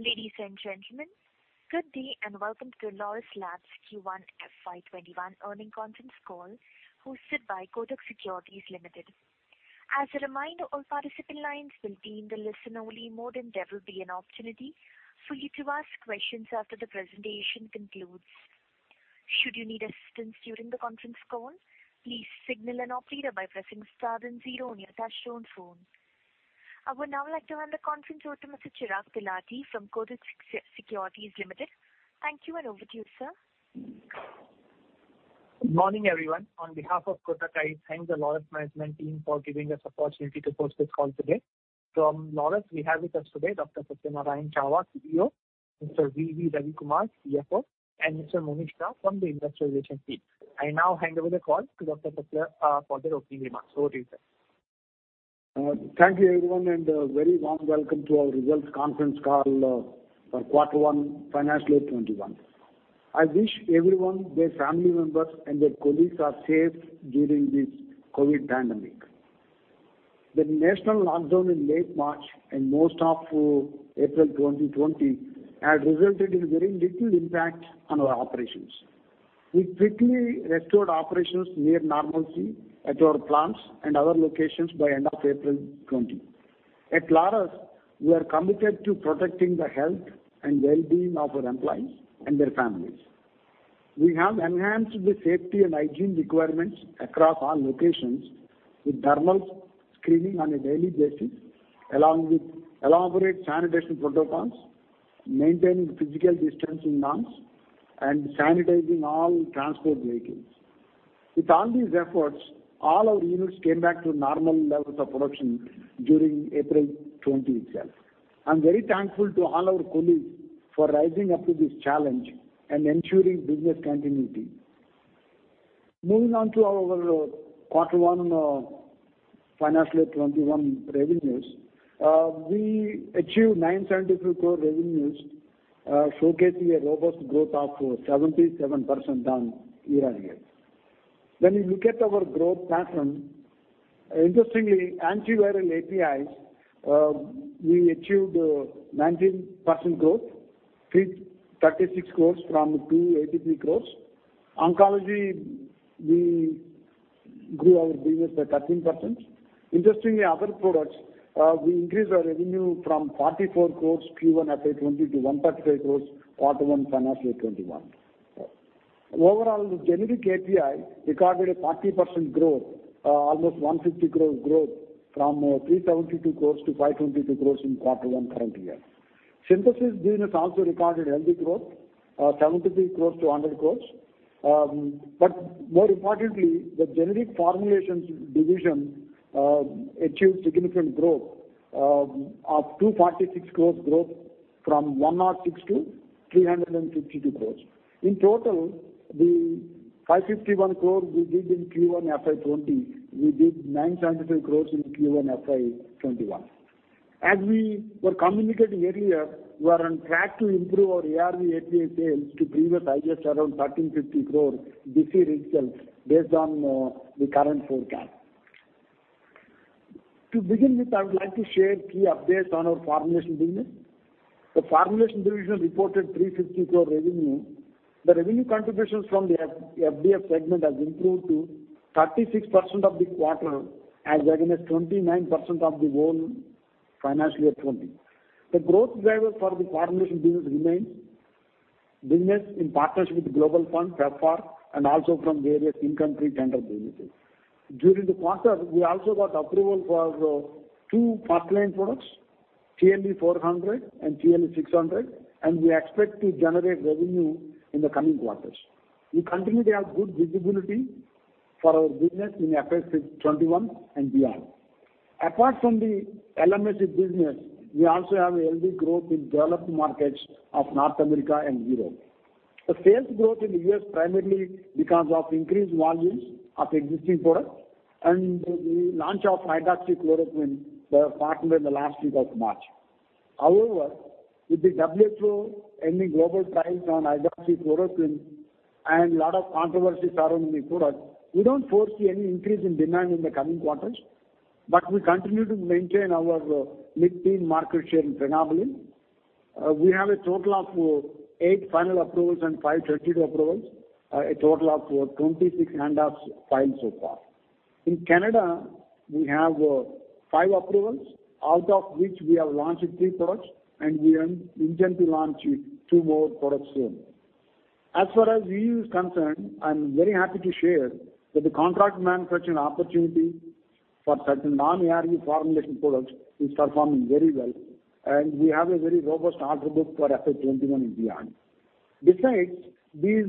Ladies and gentlemen, good day, and Welcome to the Laurus Labs Q1 FY 2021 Earning Conference Call hosted by Kotak Securities Limited. As a reminder, all participant lines will be in the listen-only mode, and there will be an opportunity for you to ask questions after the presentation concludes. Should you need assistance during the conference call, please signal an operator by pressing star and zero on your touch-tone phone. I would now like to hand the conference over to Mr. Chirag Talati from Kotak Securities Limited. Thank you, and over to you, sir. Morning, everyone. On behalf of Kotak, I thank the Laurus management team for giving us the opportunity to host this call today. From Laurus, we have with us today Dr. Satyanarayana Chava, CEO, Mr. V V Ravi Kumar, CFO, and Mr. Monish Shah from Investor Relations Team. I now hand over the call to Dr. Satya for the opening remarks. Over to you, sir. Thank you everyone, and a very warm welcome to our results conference call for quarter one financial year 2021. I wish everyone, their family members, and their colleagues are safe during this COVID pandemic. The national lockdown in late March and most of April 2020 has resulted in very little impact on our operations. We quickly restored operations near normalcy at our plants and other locations by end of April 2020. At Laurus, we are committed to protecting the health and well-being of our employees and their families. We have enhanced the safety and hygiene requirements across all locations with thermal screening on a daily basis, along with elaborate sanitation protocols, maintaining physical distancing norms, and sanitizing all transport vehicles. With all these efforts, all our units came back to normal levels of production during April 2020 itself. I'm very thankful to all our colleagues for rising up to this challenge and ensuring business continuity. Moving on to our Q1 financial year 2021 revenues. We achieved 972 crores revenues, showcasing a robust growth of 77% year-on-year. When you look at our growth pattern, interestingly, Antiviral APIs, we achieved 19% growth, 336 crores from 283 crores. Oncology, we grew our business by 13%. Interestingly, other products, we increased our revenue from 44 crores Q1 FY 2020 to 135 crores Q1 financial year 2021. Overall, the generic API recorded a 30% growth, almost 150 crores growth from 372 crores to 522 crores in Q1 current year. Synthesis business also recorded healthy growth, 73 crores to 100 crores. More importantly, the generic formulations division achieved significant growth of 246 crores growth from 106 to 352 crores. In total, the 551 crores we did in Q1 FY 2020, we did 974 crores in Q1 FY 2021. As we were communicating earlier, we are on track to improve our ARV API sales to previous highest around 1,350 crores this year itself, based on the current forecast. To begin with, I would like to share key updates on our Formulations Business. The Formulations division reported 352 crore revenue. The revenue contributions from the FDF segment has improved to 36% of the quarter as against 29% of the whole financial year 2020. The growth drivers for the Formulation Business remains business in partnership with Global Fund, PEPFAR, and also from various in-country tender businesses. During the quarter, we also got approval for two first-line products, TLE400 and TLE600, and we expect to generate revenue in the coming quarters. We continue to have good visibility for our business in FY 2021 and beyond. Apart from the LMIC business, we also have a healthy growth in developed markets of North America and Europe. The sales growth in the U.S. primarily because of increased volumes of existing products and the launch of hydroxychloroquine that happened in the last week of March. With the WHO ending global trials on hydroxychloroquine and a lot of controversies around the product, we don't foresee any increase in demand in the coming quarters, but we continue to maintain our mid-teen market share in phenobarbital. We have a total of eight final approvals and five 30-day approvals, a total of 26 ANDAs filed so far. In Canada, we have five approvals, out of which we have launched three products, and we intend to launch two more products soon. As far as EU is concerned, I am very happy to share that the contract manufacturing opportunity for certain non-ARV Formulation products is performing very well. We have a very robust order book for FY 2021 and beyond. Besides these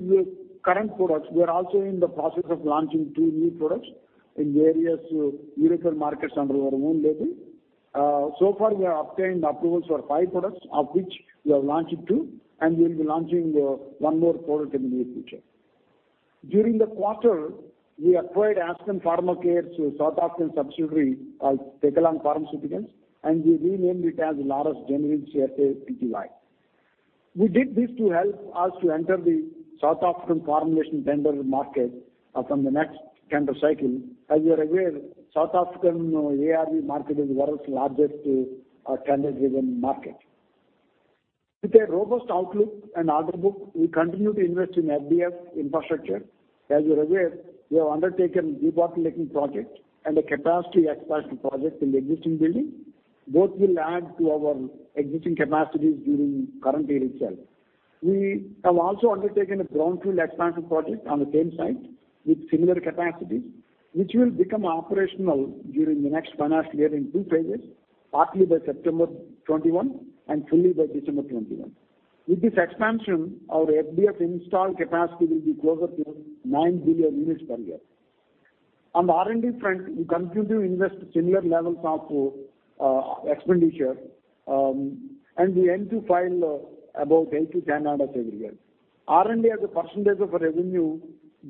current products, we are also in the process of launching two new products in various European markets under our own label. Far, we have obtained approvals for five products, of which we have launched two. We'll be launching one more product in the near future. During the quarter, we acquired Aspen Pharmacare’s through South African subsidiary of Phekolong Pharmaceuticals. We renamed it as Laurus Generics SA (Pty). We did this to help us to enter the South African formulation tender market from the next tender cycle. As you are aware, South African ARV market is the world's largest driven market. With a robust outlook and order book, we continue to invest in FDF infrastructure. As you're aware, we have undertaken debottlenecking project and a capacity expansion project in the existing building. Both will add to our existing capacities during current yea. We have also undertaken a Brownfield expansion project on the same site with similar capacities, which will become operational during the next financial year in two phases, partly by September 2021 and fully by December 2021. With this expansion, our FDF install capacity will be closer to 9 billion units per year. On the R&D front, we continue to invest similar levels of expenditure. We aim to file about 8-10 ANDAs every year. R&D as a percentage of our revenue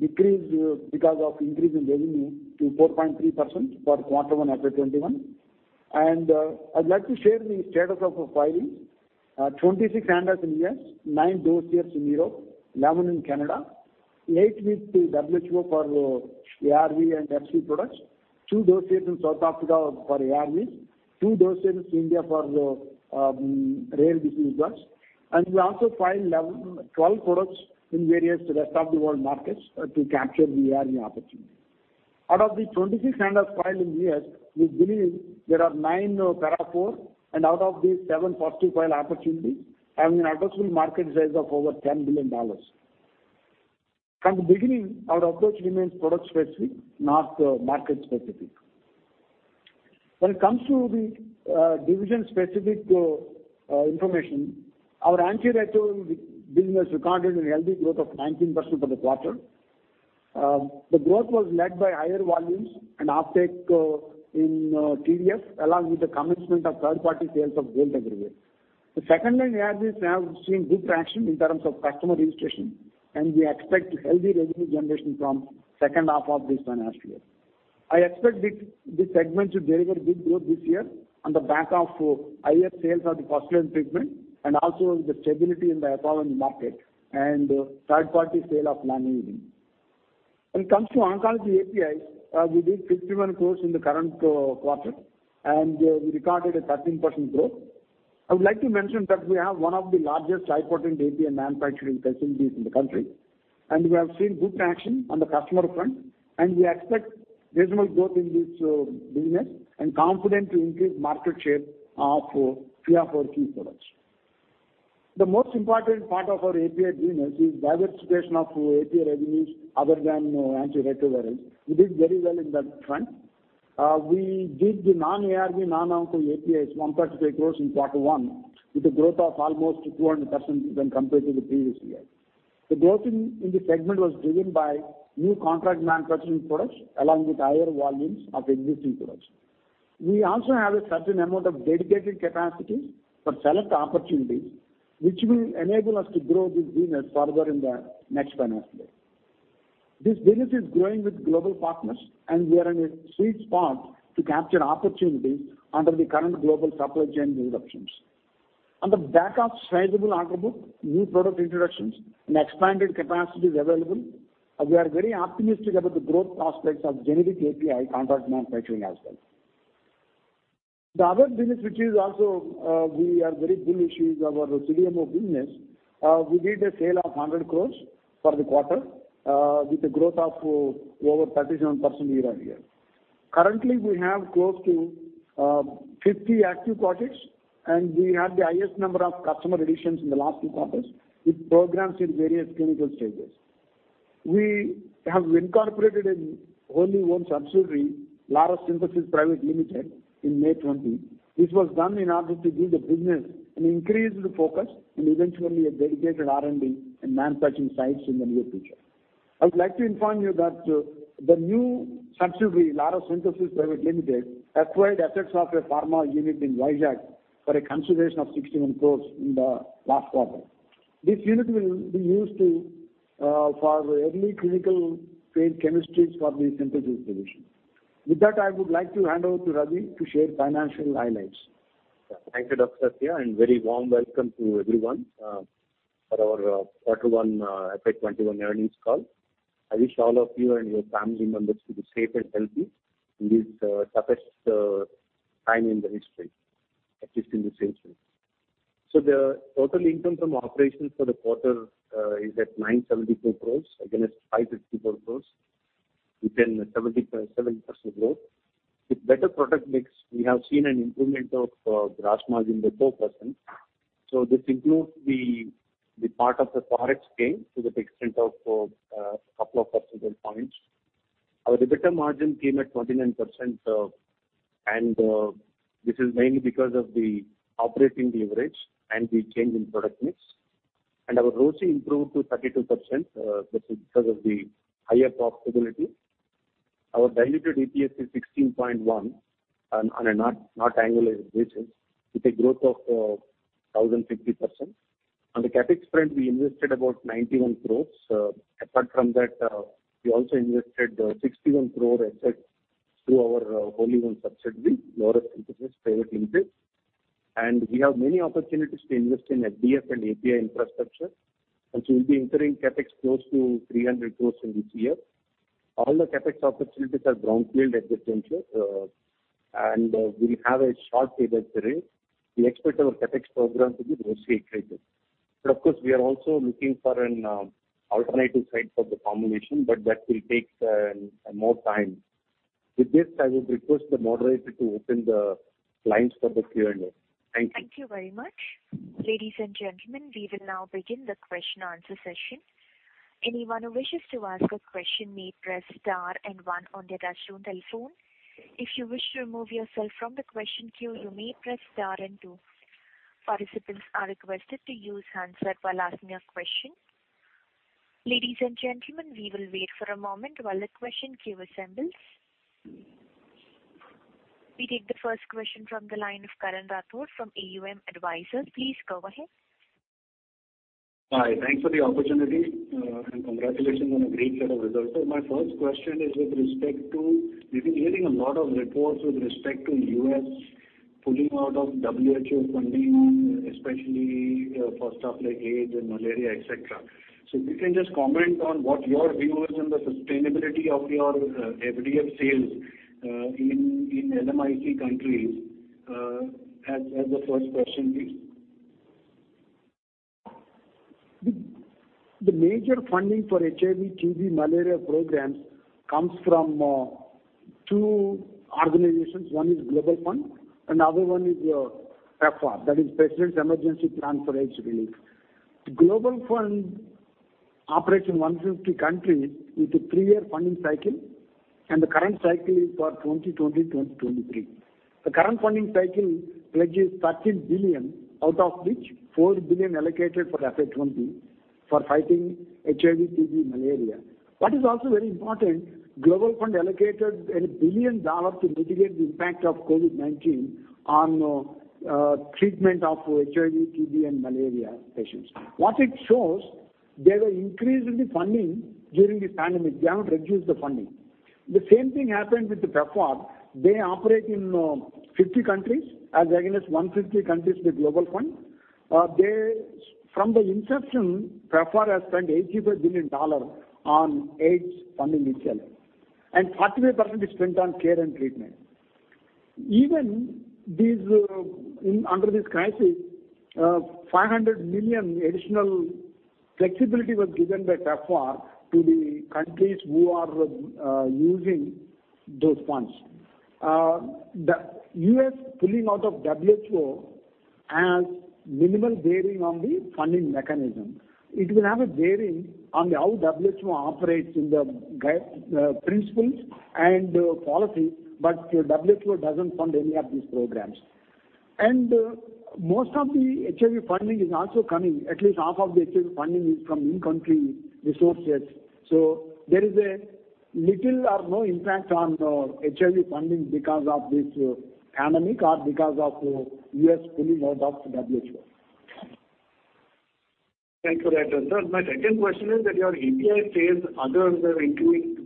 decreased because of increase in revenue to 4.3% for quarter one FY 2021. I'd like to share the status of our filings. 26 ANDAs in U.S., 9 dossiers in Europe, 11 in Canada, 8 with WHO for ARV and FDF products, 2 dossiers in South Africa for ARVs, 2 dossiers in India for the rare disease products, and we also filed 12 products in various rest of the world markets to capture the ARV opportunity. Out of the 26 ANDAs filed in U.S., we believe there are 9 Para-IV, and out of these, 7 First-to-File opportunities, having an addressable market size of over $10 billion. From the beginning, our approach remains product-specific, not market-specific. When it comes to the division-specific information, our Antiretroviral business recorded a healthy growth of 19% for the quarter. The growth was led by higher volumes and uptake in TDF, along with the commencement of third-party sales of dolutegravir. The second-line ARVs have seen good traction in terms of customer registration. We expect healthy revenue generation from second half of this financial year. I expect this segment to deliver good growth this year on the back of higher sales of the first-line treatment, also the stability in the efavirenz market and third-party sale of lamivudine. When it comes to oncology APIs, we did 51 crores in the current quarter. We recorded a 13% growth. I would like to mention that we have one of the largest high-potent API manufacturing facilities in the country. We have seen good traction on the customer front. We expect reasonable growth in this business and confident to increase market share of three of our key products. The most important part of our API business is diversification of API revenues other than Antiretroviral. We did very well in that front. We did the non-ARV, non-ONCO APIs 138 crores in quarter one, with a growth of almost 200% when compared to the previous year. The growth in the segment was driven by new contract manufacturing products along with higher volumes of existing products. We also have a certain amount of dedicated capacities for select opportunities, which will enable us to grow this business further in the next financial year. This business is growing with global partners. We are in a sweet spot to capture opportunities under the current global supply chain disruptions. On the back of sizable order book, new product introductions, and expanded capacities available, we are very optimistic about the growth prospects of generic API contract manufacturing as well. The other business which is also we are very bullish is our CDMO business. We did a sale of 100 crores for the quarter, with a growth of over 37% year-on-year. Currently, we have close to 50 active projects, and we had the highest number of customer additions in the last few quarters with programs in various clinical stages. We have incorporated a wholly owned subsidiary, Laurus Synthesis Private Limited, in May 2020. This was done in order to give the business an increased focus and eventually a dedicated R&D and manufacturing sites in the near future. I would like to inform you that the new subsidiary, Laurus Synthesis Private Limited, acquired assets of a pharma unit in Vizag for a consideration of 61 crores in the last quarter. This unit will be used for early clinical phase chemistries for the synthesis division. With that, I would like to hand over to Ravi to share financial highlights. Thank you, Dr. Satya, and very warm welcome to everyone for our quarter one FY 2021 earnings call. I wish all of you and your family members to be safe and healthy in this toughest time in the history, at least in this century. The total income from operations for the quarter is at 974 crore against 554 crore, with the 77% growth. With better product mix, we have seen an improvement of gross margin by 4%. This includes the part of the Forex gain to the extent of a couple of percentage points. Our EBITDA margin came at 29%, and this is mainly because of the operating leverage and the change in product mix. Our ROCE improved to 32%, which is because of the higher profitability. Our diluted EPS is 16.1 on an annualized basis, with a growth of 150%. On the CapEx front, we invested about 91 crores. Apart from that, we also invested 61 crore asset through our wholly-owned subsidiary, Laurus Synthesis Private Limited. We have many opportunities to invest in FDF and API infrastructure. We Will be incurring CapEx close to 300 crores in this year. All the CapEx opportunities are Brownfield at this juncture, and we have a short payback period. We expect our CapEx program to be grossly accretive. Of course, we are also looking for an alternative site for the formulations, but that will take more time. With this, I would request the moderator to open the lines for the Q&A. Thank you. Thank you very much. Ladies and gentlemen, we will now begin the question answer session. Anyone who wishes to ask a question may press star and one on their touch-tone telephone. If you wish to remove yourself from the question queue, you may press star and two. Participants are requested to use handset while asking a question. Ladies and gentlemen, we will wait for a moment while the question queue assembles. We take the first question from the line of Karan Rathod from AUM Advisors. Please go ahead. Hi. Thanks for the opportunity. Congratulations on a great set of results, sir. My first question is, we've been hearing a lot of reports with respect to U.S. pulling out of WHO funding, especially for stuff like AIDS and Malaria, et cetera. If you can just comment on what your views on the sustainability of your FDF sales in LMIC countries as the first question, please. The major funding for HIV, TB, Malaria programs comes from two organizations. One is the Global Fund and other one is PEPFAR, that is President's Emergency Plan for AIDS Relief. The Global Fund operates in 150 countries with a three year funding cycle, the current cycle is for 2020-2023. The current funding cycle pledges $13 billion, out of which $4 billion allocated for FY 2020 for fighting HIV, TB, Malaria. What is also very important, the Global Fund allocated $1 billion to mitigate the impact of COVID-19 on treatment of HIV, TB, and Malaria patients. What it shows, they were increasing the funding during this pandemic. They haven't reduced the funding. The same thing happened with PEPFAR. They operate in 50 countries as against 150 countries with the Global Fund. From the inception, PEPFAR has spent $85 billion on AIDS funding initially, 45% is spent on care and treatment. Even under this crisis, $500 million additional flexibility was given by PEPFAR to the countries who are using those funds. The U.S. pulling out of WHO has minimal bearing on the funding mechanism. It will have a bearing on how WHO operates in the principles and policy, but WHO doesn't fund any of these programs. Most of the HIV funding is also coming, at least half of the HIV funding is from in-country resources. There is a little or no impact on HIV funding because of this pandemic or because of U.S. pulling out of WHO. Thanks for the answer. Sir, my second question is that your API sales others are increasing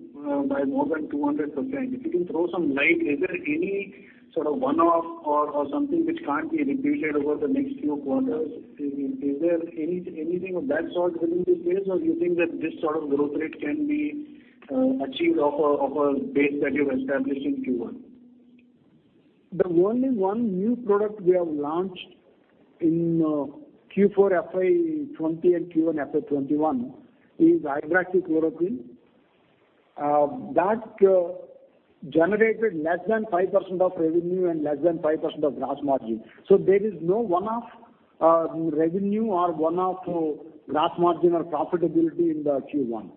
by more than 200%. If you can throw some light, is there any sort of one-off or something which can't be repeated over the next few quarters? Is there anything of that sort within this phase, or you think that this sort of growth rate can be achieved off a base that you've established in Q1? The only one new product we have launched in Q4 FY 2020 and Q1 FY 2021 is hydroxychloroquine. That generated less than 5% of revenue and less than 5% of gross margin. There is no one-off revenue or one-off gross margin or profitability in the Q1.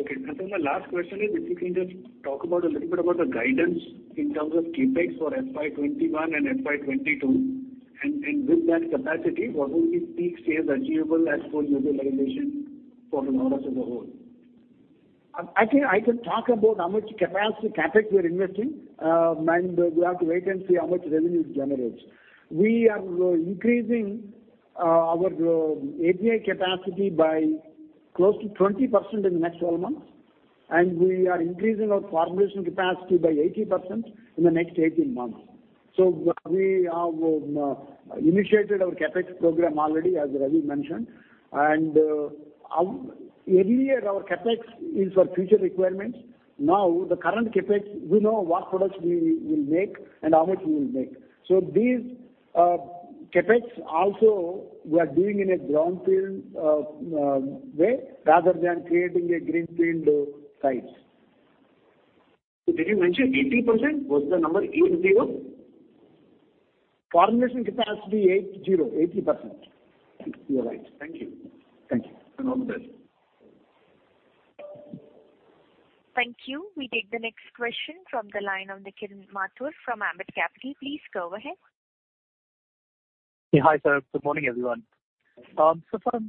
Okay. Sir, my last question is, if you can just talk a little bit about the guidance in terms of CapEx for FY 2021 and FY 2022, and with that capacity, what will be peak sales achievable as full utilization for Laurus as a whole? I can talk about how much capacity CapEx we are investing, and we have to wait and see how much revenue it generates. We are increasing our API capacity by close to 20% in the next 12 months, and we are increasing our formulation capacity by 80% in the next 18 months. We have initiated our CapEx program already, as Ravi mentioned. Earlier, our CapEx is for future requirements. The current CapEx, we know what products we will make and how much we will make. These CapEx also, we are doing in a Brownfield way rather than creating a greenfield sites. Did you mention 80%? What's the number, eight, zero? Formulation capacity, 80%. You are right. Thank you. Thank you. All the best. Thank you. We take the next question from the line of Nikhil Mathur from Ambit Capital. Please go ahead. Hi, sir. Good morning, everyone. Sir,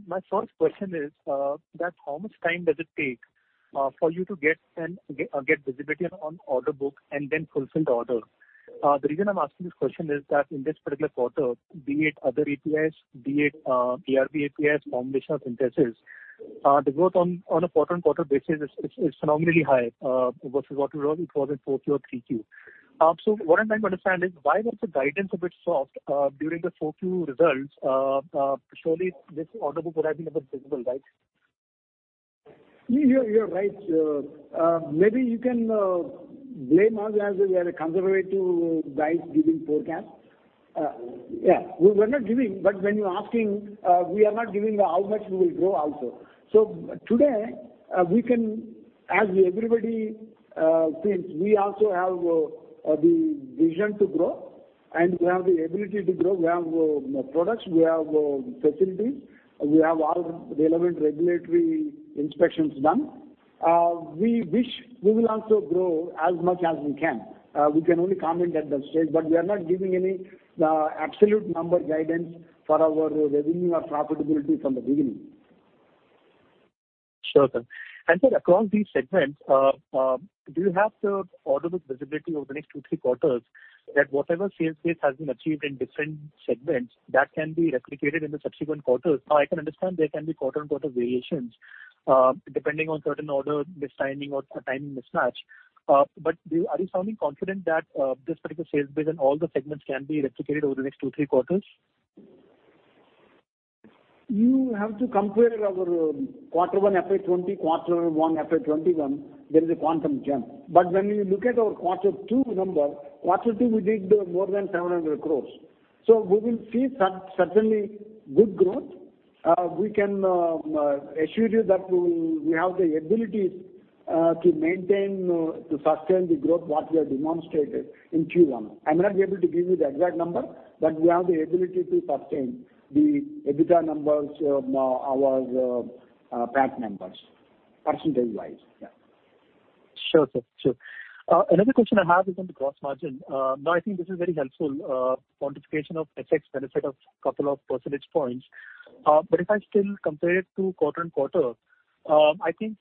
my first question is that how much time does it take for you to get visibility on order book and then fulfill the order? The reason I'm asking this question is that in this particular quarter, be it other APIs, be it ARV APIs, formulation of synthesis, the growth on a quarter-on-quarter basis is phenomenally high, versus what it was in 4Q or 3Q. What I'm trying to understand is why was the guidance a bit soft during the 4Q results? Surely this order book would have been visible, right? You're right. Maybe you can blame us as we are a conservative guide giving forecast. We're not giving, but when you're asking, we are not giving how much we will grow also. Today, as everybody thinks, we also have the vision to grow, and we have the ability to grow. We have products, we have facilities, we have all relevant regulatory inspections done. We wish we will also grow as much as we can. We can only comment at that stage, but we are not giving any absolute number guidance for our revenue or profitability from the beginning. Sure, sir. Sir, across these segments, do you have the order book visibility over the next two, three quarters that whatever sales base has been achieved in different segments that can be replicated in the subsequent quarters? I can understand there can be quarter-on-quarter variations, depending on certain order mistiming or timing mismatch. Are you sounding confident that this particular sales base in all the segments can be replicated over the next two, three quarters? You have to compare our quarter one FY 2020, quarter one FY 2021. There is a quantum jump. When you look at our quarter two number, quarter two we did more than 700 crores. We will see certainly good growth. We can assure you that we have the ability to maintain, to sustain the growth, what we have demonstrated in Q1. I may not be able to give you the exact number, but we have the ability to sustain the EBITDA numbers, our PAT numbers, percentage-wise. Yeah. Sure, sir. Sure. Another question I have is on the gross margin. Now I think this is very helpful quantification of FX benefit of couple of percentage points. If I still compare it to quarter-on-quarter, I think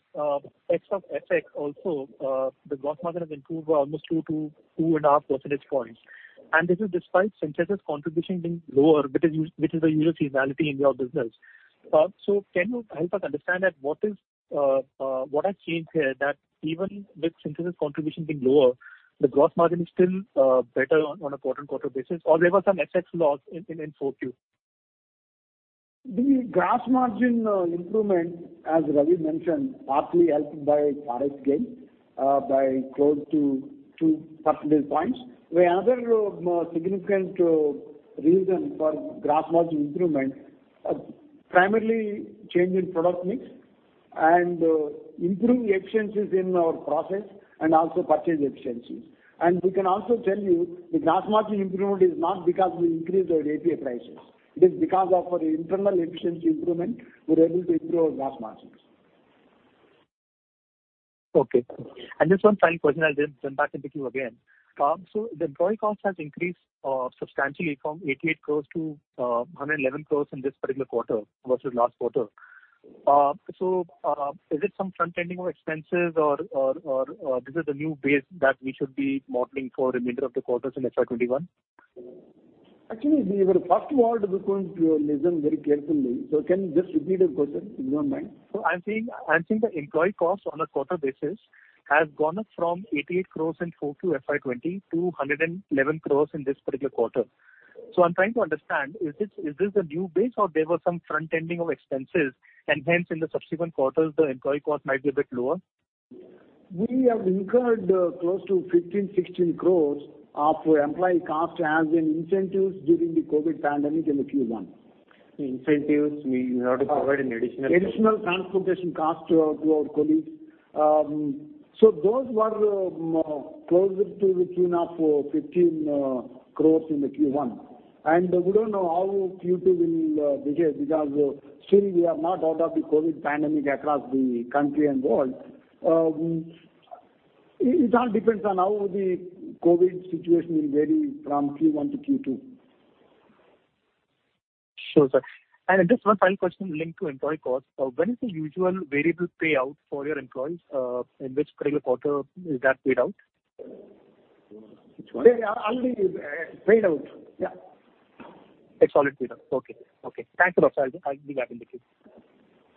X of FX also, the gross margin has improved almost 2-2.5 percentage points. This is despite synthesis contribution being lower, which is the usual seasonality in your business. Can you help us understand that what has changed here that even with synthesis contribution being lower, the gross margin is still better on a quarter-on-quarter basis? There were some FX loss in 4Q. The gross margin improvement, as Ravi mentioned, partly helped by FX gain by close to two percentage points. The other significant reason for gross margin improvement are primarily change in product mix and improved efficiencies in our process and also purchase efficiencies. We can also tell you the gross margin improvement is not because we increased our API prices. It is because of our internal efficiency improvement, we're able to improve our gross margins. Okay. Just one final question, I'll then jump back into queue again. The employee cost has increased substantially from 88 crores to 111 crores in this particular quarter versus last quarter. Is it some front-ending of expenses or this is the new base that we should be modeling for remainder of the quarters in FY 2021? Actually, we were fast-forward through your question very carefully. Can you just repeat the question, if you don't mind? I'm saying the employee cost on a quarter basis has gone up from 88 crores in 4Q FY 2020 to 111 crores in this particular quarter. I'm trying to understand, is this a new base or there was some front-ending of expenses and hence in the subsequent quarters, the employee cost might be a bit lower? We have incurred close to 15 crores, 16 crores of employee cost as in incentives during the COVID pandemic in the Q1. The incentives we had to provide an. Additional transportation cost to our colleagues. Those were closer to the tune of INR 15 crores in the Q1. We don't know how Q2 will behave because still we are not out of the COVID pandemic across the country and world. It all depends on how the COVID situation will vary from Q1 to Q2. Sure, sir. Just one final question linked to employee cost. When is the usual variable payout for your employees? In which particular quarter is that paid out? Which one? Already paid out. Yeah. It's already paid out. Okay. Thanks a lot, sir. I'll be back in the queue.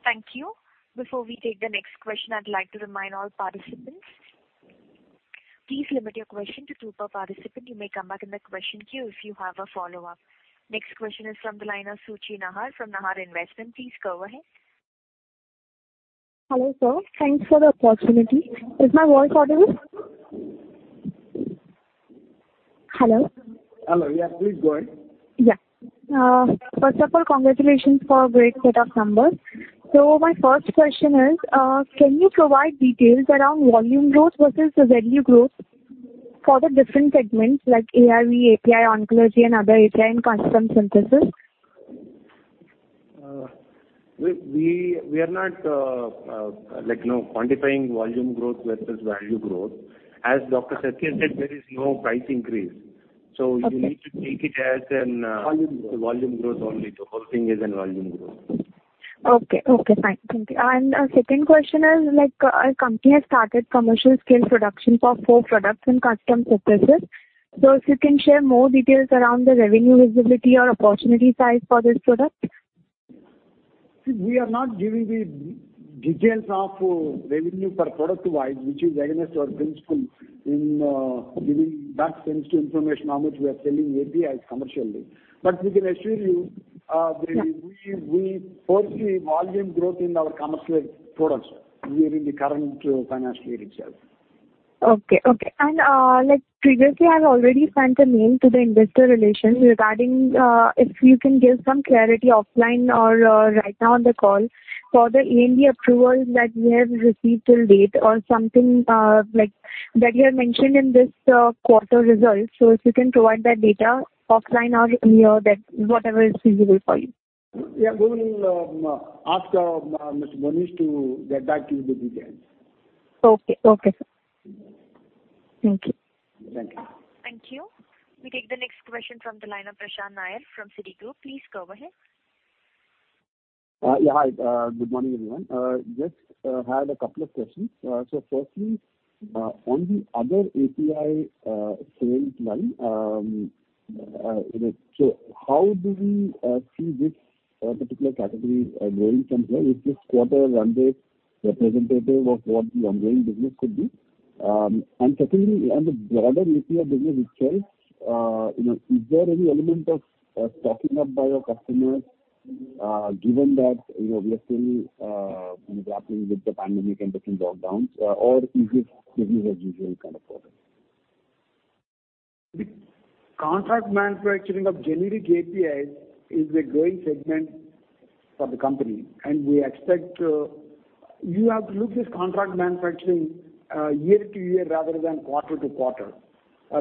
Thank you. Before we take the next question, I'd like to remind all participants, please limit your question to two per participant. You may come back in the question queue if you have a follow-up. Next question is from the line of Suji Nahar from Nahar Investments. Please go ahead. Hello, sir. Thanks for the opportunity. Is my voice audible? Hello? Hello, yeah. Please go ahead. Yeah. First of all, congratulations for a great set of numbers. My first question is, can you provide details around volume growth versus the value growth for the different segments like ARV, API, oncology, and other API and custom synthesis? We are not quantifying volume growth versus value growth. As Dr. Satya said, there is no price increase. Okay. You need to take it as. Volume growth volume growth only. The whole thing is in volume growth. Okay, fine. Thank you. Second question is, company has started commercial scale production for four products and custom synthesis. If you can share more details around the revenue visibility or opportunity size for this product. See, we are not giving the details of revenue per product wise, which is against our principle in giving that sensitive information, how much we are selling API commercially. We can assure you. Yeah We foresee volume growth in our commercial products during the current financial year itself. Okay. Previously I have already sent a mail to the investor relations regarding if you can give some clarity offline or right now on the call for the ANDA approvals that we have received till date or something that you have mentioned in this quarter results. If you can provide that data offline or here, whatever is feasible for you. Yeah, we will ask Mr. Monish to get back to you with the details. Okay, sir. Thank you. Thank you. Thank you. We take the next question from the line of Prashant Nair from Citigroup. Please go ahead. Hi. Good morning, everyone. Just had a couple of questions. Firstly, on the other API sales line, how do we see this particular category growing from here? Is this quarter run rate representative of what the ongoing business could be? Secondly, on the broader API business itself, is there any element of stocking up by your customers, given that we are still grappling with the pandemic and different lockdowns? Is this business as usual kind of product? The contract manufacturing of generic APIs is a growing segment for the company, and we expect you have to look at this contract manufacturing year-to-year rather than quarter-to-quarter.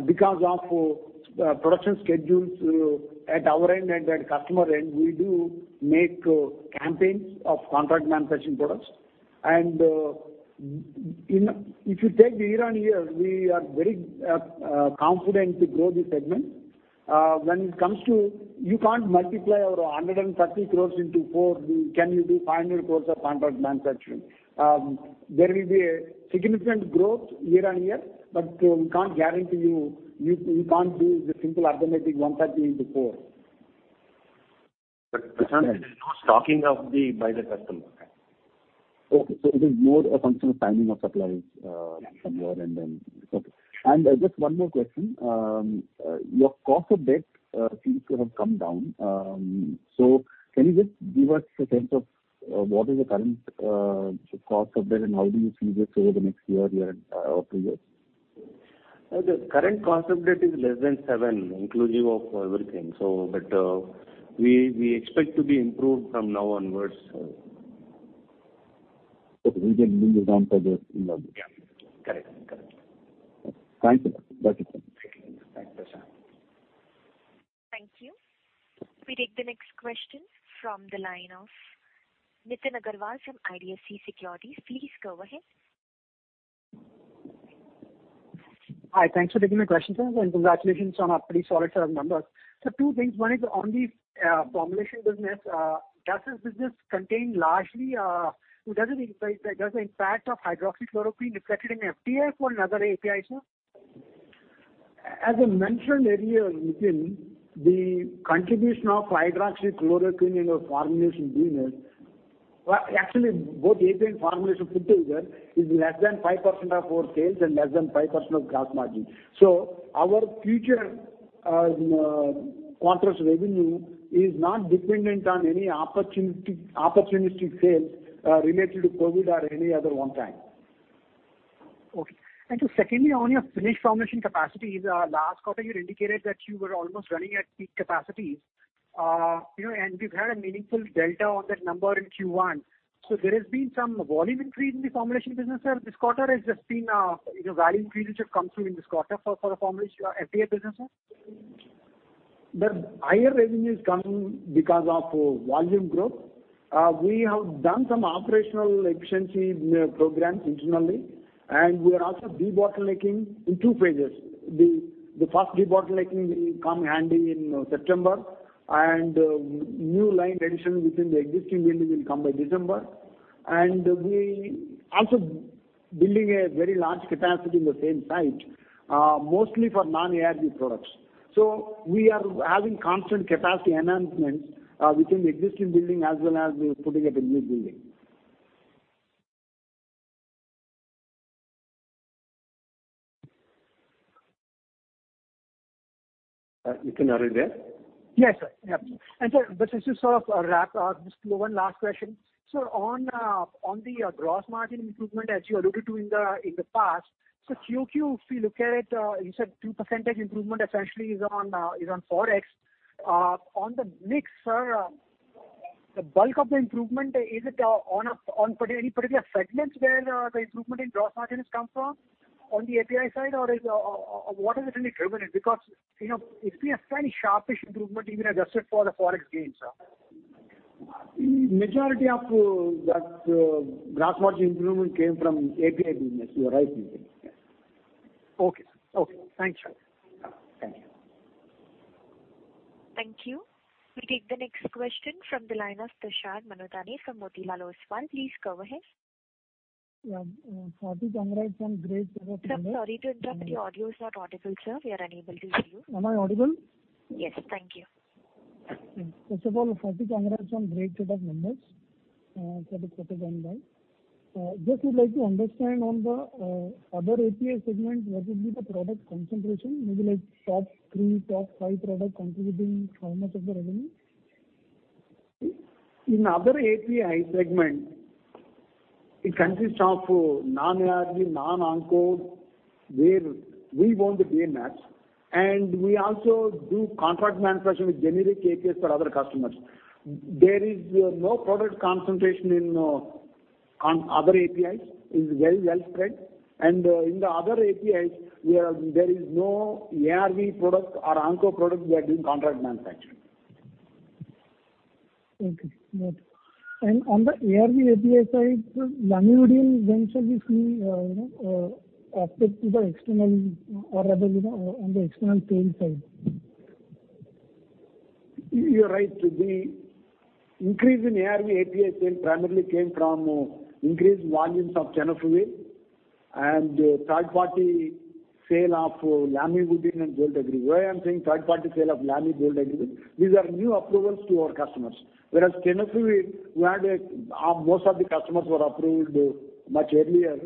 Because of production schedules at our end and at customer end, we do make campaigns of contract manufacturing products. If you take year-on-year, we are very confident to grow this segment. When it comes to, you can't multiply our 130 crores into four, can you do 500 crores of contract manufacturing? There will be a significant growth year on year, but we can't guarantee you can't do the simple arithmetic 130x4. Prashant, there is no stocking up by the customer. Okay. It is more a function of timing of supplies from your end then. Okay. Just one more question. Your cost of debt seems to have come down. Can you just give us a sense of what is the current cost of debt and how do you see this over the next year or two years? The current cost of debt is less than seven, inclusive of everything. We expect to be improved from now onwards. Okay. Yeah. Correct. Thanks a lot. Thank you. Prashant Thank you. We take the next question from the line of Nitin Agarwal from IDFC Securities. Please go ahead. Hi, thanks for taking my question, sir, and congratulations on a pretty solid set of numbers. Sir, two things. One is on the formulation business. Does the impact of hydroxychloroquine reflected in FDF for other APIs, sir? As I mentioned earlier, Nitin, the contribution of hydroxychloroquine in our formulation business, actually, both API and formulation put together is less than 5% of our sales and less than 5% of gross margin. Our future quarters revenue is not dependent on any opportunistic sales related to COVID or any other one time. Okay. Sir, secondly, on your finished formulation capacities, last quarter you had indicated that you were almost running at peak capacities. We've had a meaningful delta on that number in Q1. There has been some volume increase in the formulation business, sir. This quarter has just seen a volume increase which have come through in this quarter for the FDF business, sir? The higher revenue is coming because of volume growth. We have done some operational efficiency programs internally. We are also debottlenecking in two phases. The first debottlenecking will come handy in September. New line addition within the existing building will come by December. We also building a very large capacity in the same site, mostly for non-ARV products. We are having constant capacity enhancements within the existing building as well as we're putting up a new building. Nitin, are you there? Yes, sir. Sir, just to sort of wrap up, just one last question. Sir, on the gross margin improvement as you alluded to in the past. QoQ, if you look at it, you said 2% improvement essentially is on Forex. On the mix, sir, the bulk of the improvement, is it on any particular segments where the improvement in gross margin has come from on the API side? What has really driven it? It's been a fairly sharpish improvement even adjusted for the Forex gains, sir. Majority of that gross margin improvement came from API business. You are right, Nitin. Okay. Thanks, sir. Thank you. Thank you. We take the next question from the line of Tushar Manudhane from Motilal Oswal. Please go ahead. Yeah. First of congrats on great set of numbers. I'm sorry to interrupt. Your audio is not audible, sir. We are unable to hear you. Am I audible? Yes. Thank you. Firstly, congrats on great set of numbers for the quarter gone by. Just would like to understand on the other API segments, what would be the product concentration, maybe like top three, top five products contributing how much of the revenue? In other API segment, it consists of non-ARV, non-onco, where we own the DMFs, and we also do contract manufacturing with generic APIs for other customers. There is no product concentration in Other APIs. It's very widespread. In the Other APIs, there is no ARV product or onco product we are doing contract manufacturing. Okay. Got it. On the ARV API side, lamivudine, when shall we see effect on the external sales side? You're right. The increase in ARV API sales primarily came from increased volumes of tenofovir and third-party sale of lamivudine and dolutegravir. I'm saying third-party sale of lamivudine, dolutegravir, these are new approvals to our customers. Whereas tenofovir, most of the customers were approved much earlier.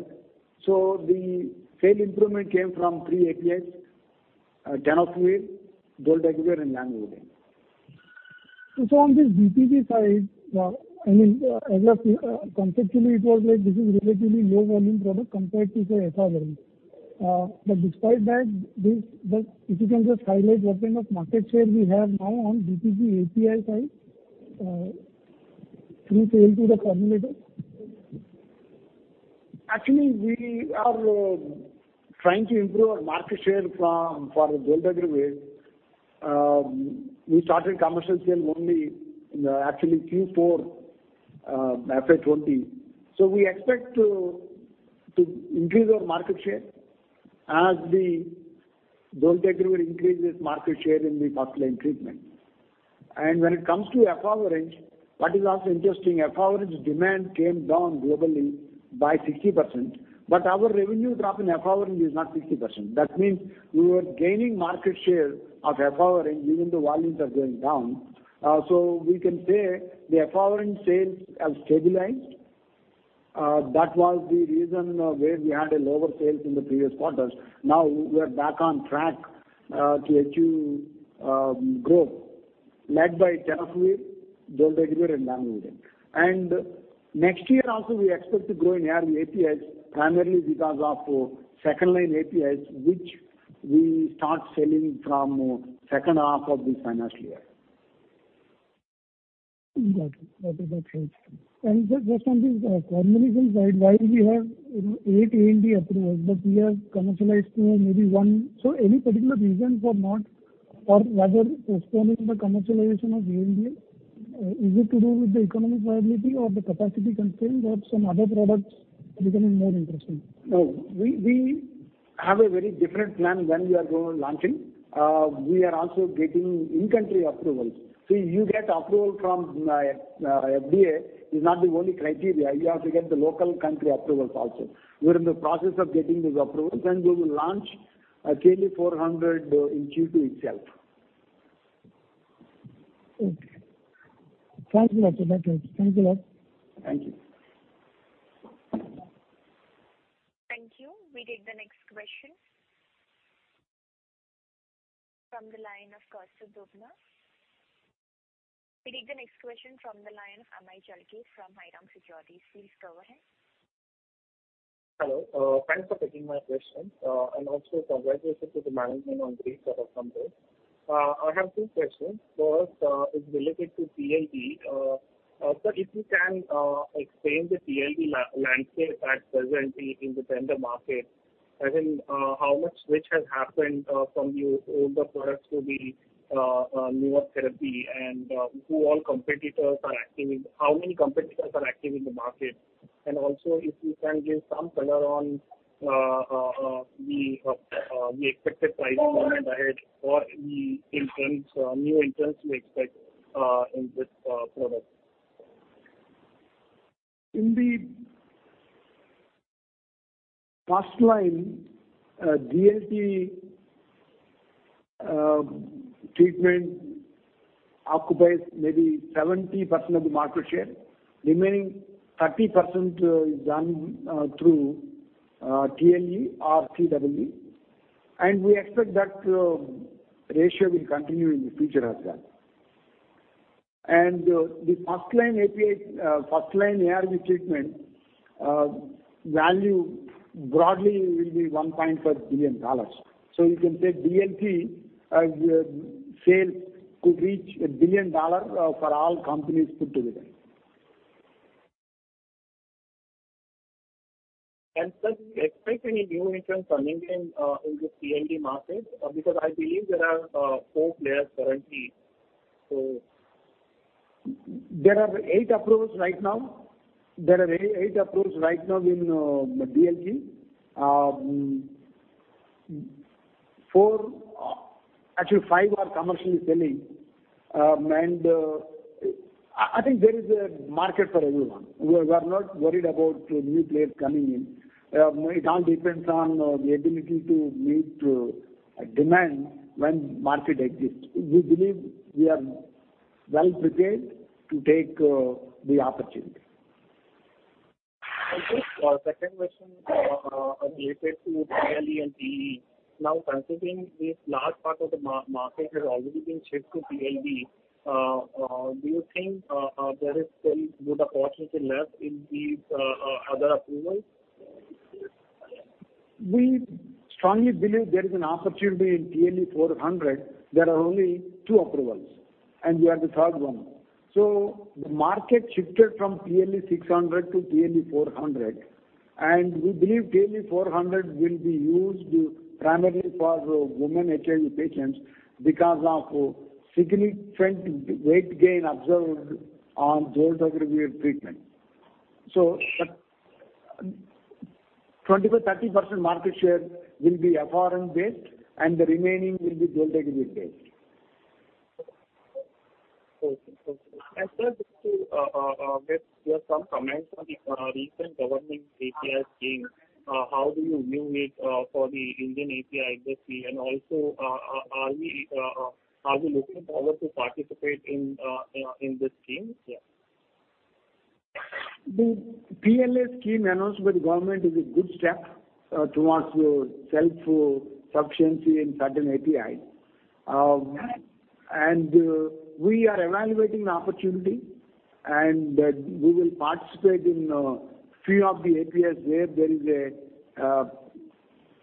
The sale improvement came from three APIs: tenofovir, dolutegravir, and lamivudine. On this DTG side, conceptually, it was like this is relatively low-volume product compared to, say, efavirenz. Despite that, if you can just highlight what kind of market share we have now on DTG API side through sale to the formulations? Actually, we are trying to improve our market share for dolutegravir. We started commercial sale only in actually Q4 FY 2020. We expect to increase our market share as the dolutegravir increases market share in the first-line treatment. When it comes to efavirenz, what is also interesting, efavirenz demand came down globally by 60%, but our revenue drop in efavirenz is not 60%. That means we were gaining market share of efavirenz even though volumes are going down. We can say the efavirenz sales have stabilized. That was the reason where we had a lower sales in the previous quarters. Now we are back on track to achieve growth led by tenofovir, dolutegravir, and lamivudine. Next year also, we expect to grow in ARV APIs, primarily because of second-line APIs, which we start selling from second half of this financial year. Got it. That is actually just on this formulation side, while we have eight ANDA approvals, we have commercialized maybe one. Any particular reasons for rather postponing the commercialization of ANDA? Is it to do with the economic viability or the capacity constraints or some other products becoming more interesting? No. We have a very different plan when we are going to launch it. We are also getting in-country approvals. You get approval from FDA is not the only criteria. You have to get the local country approvals also. We're in the process of getting these approvals, and we will launch a TLE400 in Q2 itself. Okay. Thank you, sir. That's it. Thank you a lot. Thank you. Thank you. We take the next question from the line of Kaustav Bubna. We take the next question from the line of Amey Chalke from Haitong Securities. Please go ahead. Hello. Thanks for taking my question. Congratulations to the management on great set of numbers. I have two questions. First is related to DLT. Sir, if you can explain the DLT landscape at presently in the tender market, as in how much switch has happened from the older products to the newer therapy, and how many competitors are active in the market? If you can give some color on the expected price going ahead or the new entrants you expect in this product. In the first-line, DLT treatment occupies maybe 70% of the market share. Remaining 30% is done through TLE or TEE, and we expect that ratio will continue in the future as well. The first-line ARV treatment value broadly will be $1.5 billion. You can say DLT sales could reach $1 billion for all companies put together. Sir, do you expect any new entrants coming in the DLT market? I believe there are four players currently. There are eight approvals right now in the DLT. Actually five are commercially selling. I think there is a market for everyone. We are not worried about new players coming in. It all depends on the ability to meet demand when market exists. We believe we are well-prepared to take the opportunity. Okay. Second question related to TLE and TEE. Now, considering this large part of the market has already been shifted to TLE, do you think there is still good opportunity left in these other approvals? We strongly believe there is an opportunity in TLE400. There are only two approvals, and we are the third one. The market shifted from TLE600 to TLE400, and we believe TLE400 will be used primarily for women HIV patients because of significant weight gain observed on dolutegravir treatment. 25%-30% market share will be abacavir based, and the remaining will be dolutegravir based. Okay. sir, just to get your some comments on the recent government PLI scheme. How do you view it for the Indian API industry? also, are you looking forward to participate in this scheme? Yeah. The PLI scheme announced by the government is a good step towards your self-sufficiency in certain APIs. We are evaluating the opportunity, and we will participate in a few of the APIs where there is a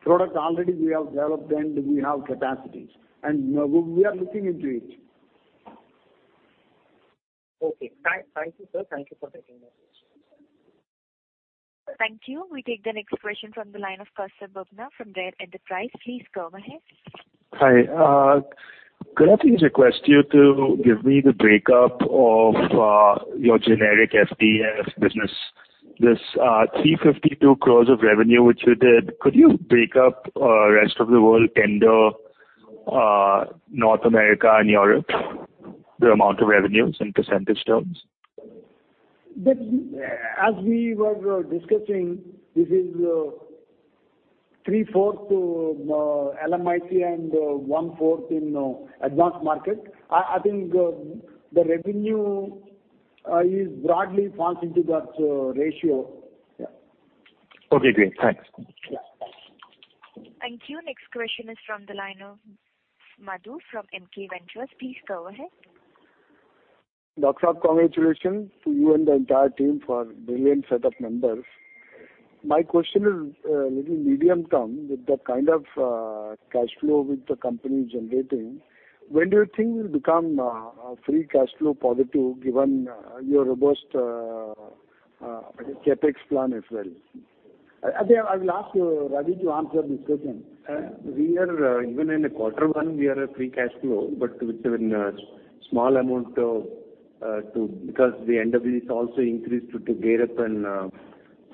product already we have developed and we have capacities. We are looking into it. Okay. Thank you, sir. Thank you for taking my questions. Thank you. We take the next question from the line of Kaustav Bubna from Rare Enterprises. Please go ahead. Hi. Could I please request you to give me the breakup of your generic FDF business? This 352 crores of revenue, which you did, could you break up rest of the world, tender, North America and Europe, the amount of revenues in percentage terms? As we were discussing, this is 3/4 LMIC and 1/4 in advanced market. I think the revenue broadly falls into that ratio. Yeah. Okay, great. Thanks. Thank you. Next question is from the line of Madhu from MK Ventures. Please go ahead. Doctor Sahab, congratulations to you and the entire team for brilliant set of numbers. My question is a little medium-term. With the kind of cash flow which the company is generating, when do you think you'll become free cash flow positive given your robust CapEx plan as well? I think I will ask Ravi to answer this question. Even in quarter one, we are a free cash flow, but with a small amount because the endeavor is also increased to gear up and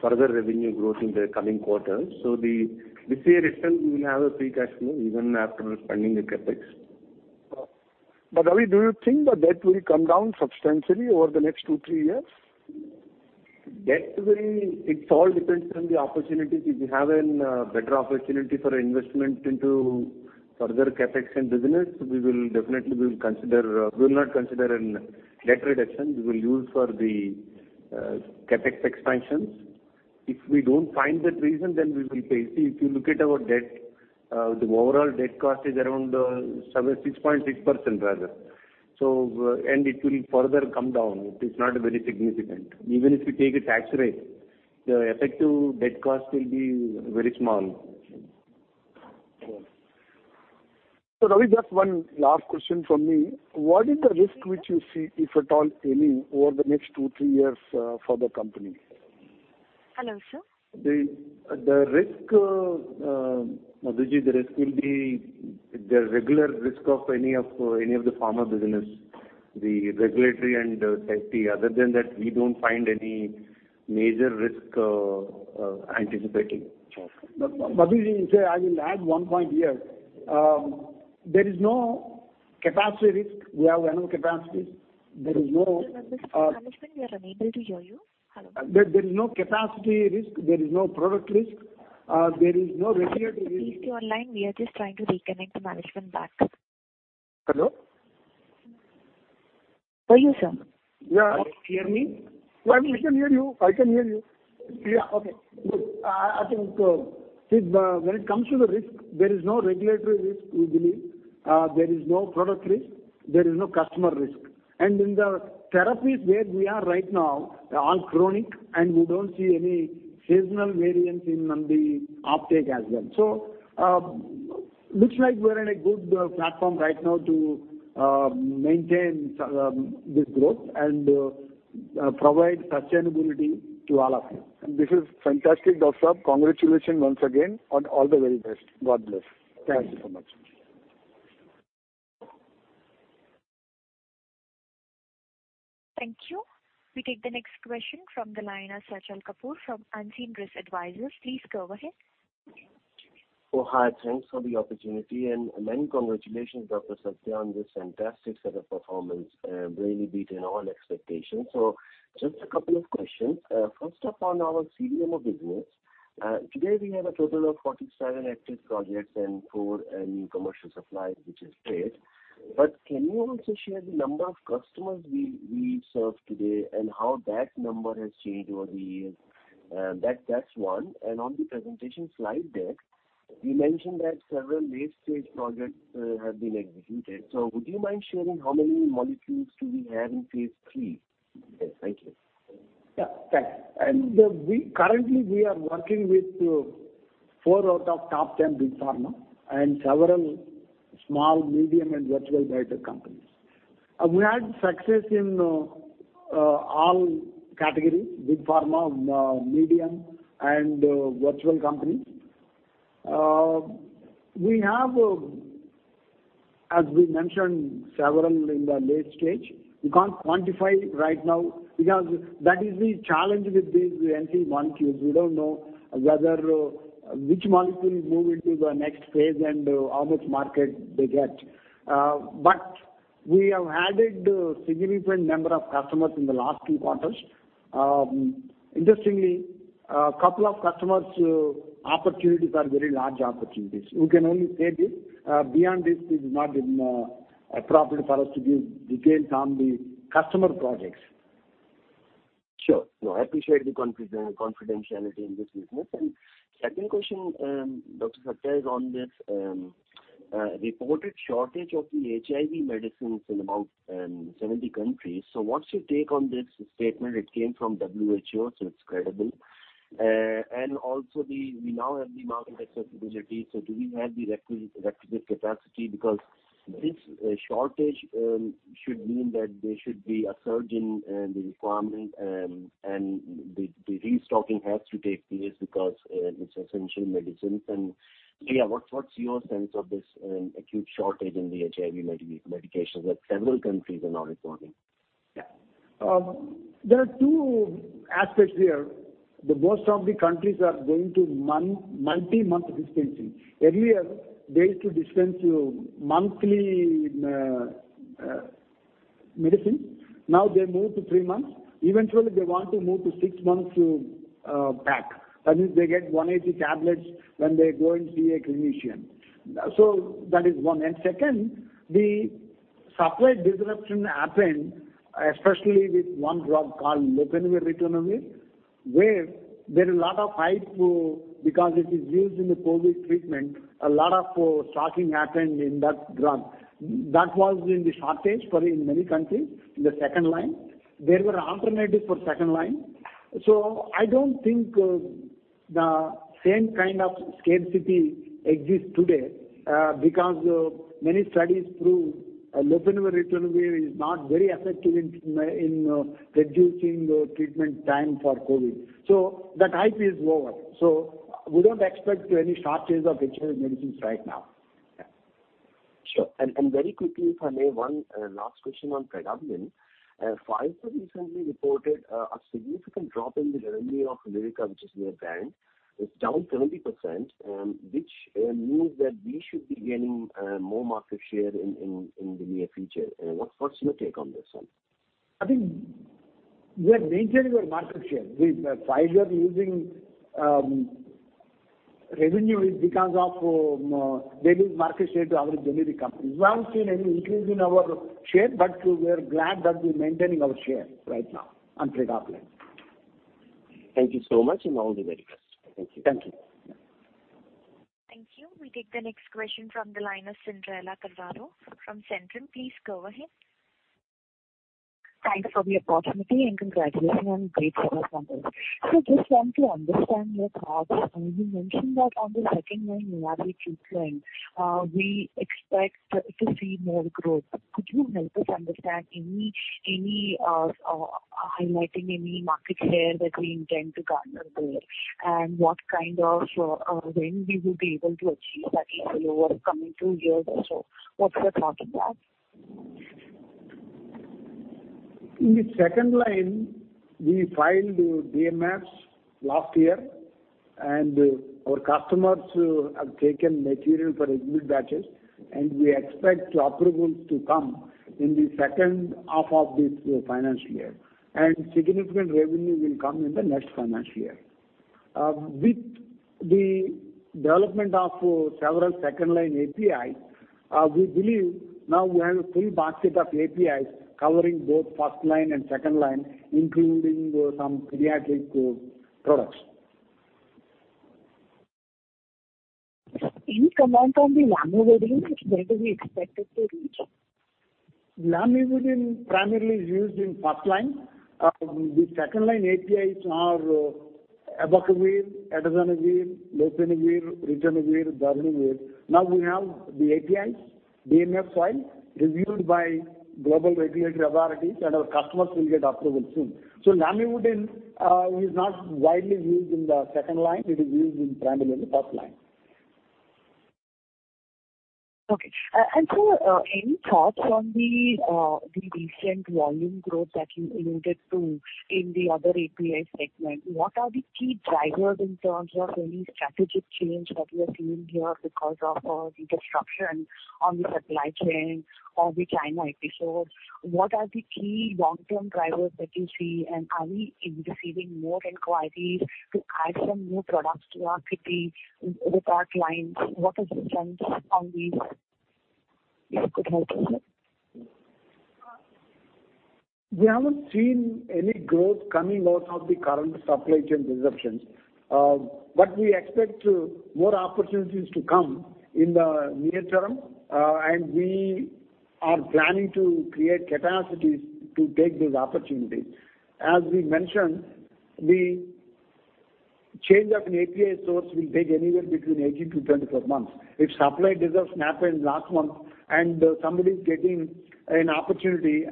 further revenue growth in the coming quarters. This year itself, we will have a free cash flow even after spending the CapEx. Ravi, do you think the debt will come down substantially over the next two, three years? It all depends on the opportunity. If we have a better opportunity for investment into further CapEx and business, we will not consider a debt reduction. We will use for the CapEx expansions. If we don't find that reason, then we will pay. See, if you look at our debt, the overall debt cost is around 6.6% rather. It will further come down. It is not very significant. Even if you take a tax rate, the effective debt cost will be very small. Ravi, just one last question from me. What is the risk which you see, if at all any, over the next two, three years for the company? Hello, sir? Madhu, the risk will be the regular risk of any of the pharma business, the regulatory and safety. Other than that, we don't find any major risk anticipating. Madhu, I will add one point here. There is no capacity risk. We have enough capacities. There is no- Sir, management, we are unable to hear you. Hello? There is no capacity risk. There is no product risk. There is no regulatory risk. Please stay online. We are just trying to reconnect the management back. Hello? For you, sir. Yeah. Hear me? I can hear you. Yeah, okay. Good. I think when it comes to the risk, there is no regulatory risk, we believe. There is no product risk. There is no customer risk. In the therapies where we are right now, are chronic, and we don't see any seasonal variance in the uptake as well. Looks like we're in a good platform right now to maintain this growth and provide sustainability to all of you. This is fantastic, Doctor Sahab. Congratulations once again, and all the very best. God bless. Thank you so much. Thank you. We take the next question from the line of Sajal Kapoor from Unseen Risk Advisors. Please go ahead. Oh, hi. Thanks for the opportunity and many congratulations, Dr. Satya, on this fantastic set of performance. Really beaten all expectations. Just a couple of questions. First up on our CDMO business. Today we have a total of 47 active projects and four new commercial supplies, which is great. Can you also share the number of customers we serve today and how that number has changed over the years? That's one. On the presentation slide deck, you mentioned that several late-stage projects have been executed. Would you mind sharing how many molecules do we have in phase III? Yes. Thank you. Yeah. Thanks. Currently, we are working with four out of top 10 big pharma and several small, medium, and virtual biotech companies. We had success in all categories, big pharma, medium, and virtual companies. As we mentioned, several in the late stage. We can't quantify right now because that is the challenge with these NCE molecules. We don't know which molecule will move into the next phase and how much market they get. We have added a significant number of customers in the last few quarters. Interestingly, a couple of customers' opportunities are very large opportunities. We can only say this. Beyond this, it is not appropriate for us to give details on the customer projects. Sure. No, I appreciate the confidentiality in this business. Second question, Dr. Satya, is on this reported shortage of the HIV medicines in about 70 countries. What's your take on this statement? It came from WHO, so it's credible. Also, we now have the market accessibility, so do we have the requisite capacity? Because this shortage should mean that there should be a surge in the requirement, and the restocking has to take place because it's essential medicines. Yeah, what's your sense of this acute shortage in the HIV medications that several countries are now reporting? Yeah. There are two aspects here. Most of the countries are going to multi-month dispensing. Earlier, they used to dispense monthly medicine. Now they moved to three months. Eventually, they want to move to six months pack. That means they get 180 tablets when they go and see a clinician. That is one. Second, the supply disruption happened, especially with one drug called lopinavir ritonavir, where there is a lot of hype because it is used in the COVID treatment. A lot of stocking happened in that drug. That was in shortage in many countries, in the second line. There were alternatives for second line. I don't think the same kind of scarcity exists today, because many studies prove lopinavir ritonavir is not very effective in reducing the treatment time for COVID. That hype is over. We don't expect any shortage of HIV medicines right now. Yeah. Sure. Very quickly, if I may, one last question on pregabalin. Pfizer recently reported a significant drop in the revenue of Lyrica, which is their brand. It's down 20%, which means that we should be gaining more market share in the near future. What's your take on this one? I think we are maintaining our market share. Pfizer losing revenue is because they lose market share to other generic companies. We haven't seen any increase in our share, but we are glad that we're maintaining our share right now on pregabalin. Thank you so much, and all the very best. Thank you. Thank you. Thank you. We take the next question from the line of Cyndrella Carvalho from Centrum. Please go ahead. Thanks for the opportunity, and congratulations on great set of numbers. just want to understand your thoughts. You mentioned that on the second-line ARV treatment, we expect to see more growth. Could you help us understand, highlighting any market share that we intend to garner there? when we will be able to achieve that, if over coming two years or so? What's your thought on that? In the second line, we filed DMFs last year, and our customers have taken material for intermediate batches, and we expect approvals to come in the second half of this financial year. Significant revenue will come in the next financial year. With the development of several second-line APIs, we believe now we have a full basket of APIs covering both first line and second line, including some pediatric products. Any comment on the lamivudine that is expected to reach? Lamivudine primarily is used in first line. The second-line APIs are abacavir, atazanavir, lopinavir, ritonavir, darunavir. Now we have the APIs DMF file reviewed by global regulatory authorities, and our customers will get approval soon. lamivudine is not widely used in the second line. It is used primarily in the first line. Okay. sir, any thoughts on the recent volume growth that you alluded to in the other API segment? What are the key drivers in terms of any strategic change that you are seeing here because of the disruption on the supply chain or the China episode? What are the key long-term drivers that you see, and are we receiving more inquiries to add some new products to our kitty with our clients? What is the sense on these? Yes, good morning, sir. We haven't seen any growth coming out of the current supply chain disruptions. We expect more opportunities to come in the near term, and we are planning to create capacities to take these opportunities. As we mentioned, the change of an API source will take anywhere between 18-24 months. If supply disruptions happened last month and somebody's getting an opportunity,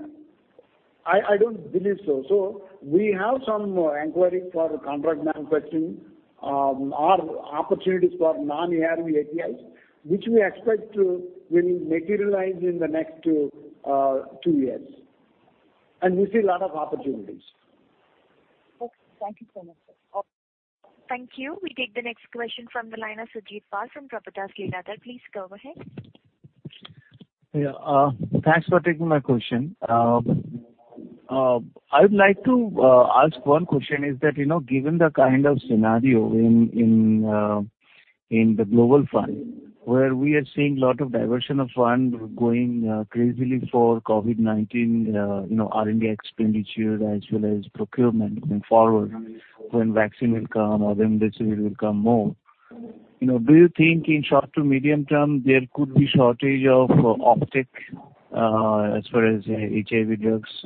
I don't believe so. We have some inquiries for contract manufacturing or opportunities for non-ARV APIs, which we expect will materialize in the next two years. We see a lot of opportunities. Okay. Thank you so much, sir. Thank you. We take the next question from the line of Surajit Pal from Prabhudas Lilladher. Please go ahead. Yeah. Thanks for taking my question. I would like to ask one question, is that given the kind of scenario in the Global Fund, where we are seeing a lot of diversion of fund going crazily for COVID-19, R&D expenditure as well as procurement going forward, when vaccine will come or remdesivir will come more. Do you think in short to medium term, there could be shortage of, as far as HIV drugs?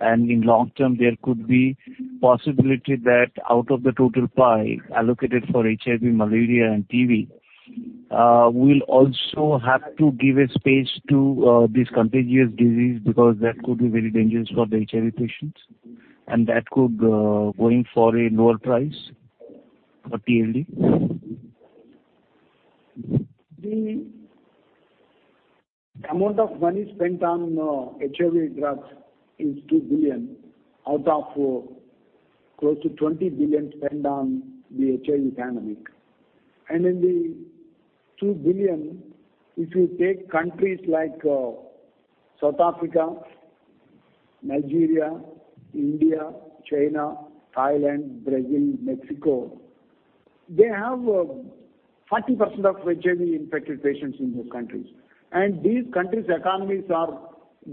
In long term, there could be possibility that out of the total pie allocated for HIV, Malaria and TB, we'll also have to give a space to this contagious disease because that could be very dangerous for the HIV patients, and that could go in for a lower price for DLT. The amount of money spent on HIV drugs is 2 billion out of close to 20 billion spent on the HIV pandemic. In the 2 billion, if you take countries like South Africa, Nigeria, India, China, Thailand, Brazil, Mexico, they have 40% of HIV-infected patients in these countries. These countries' economies are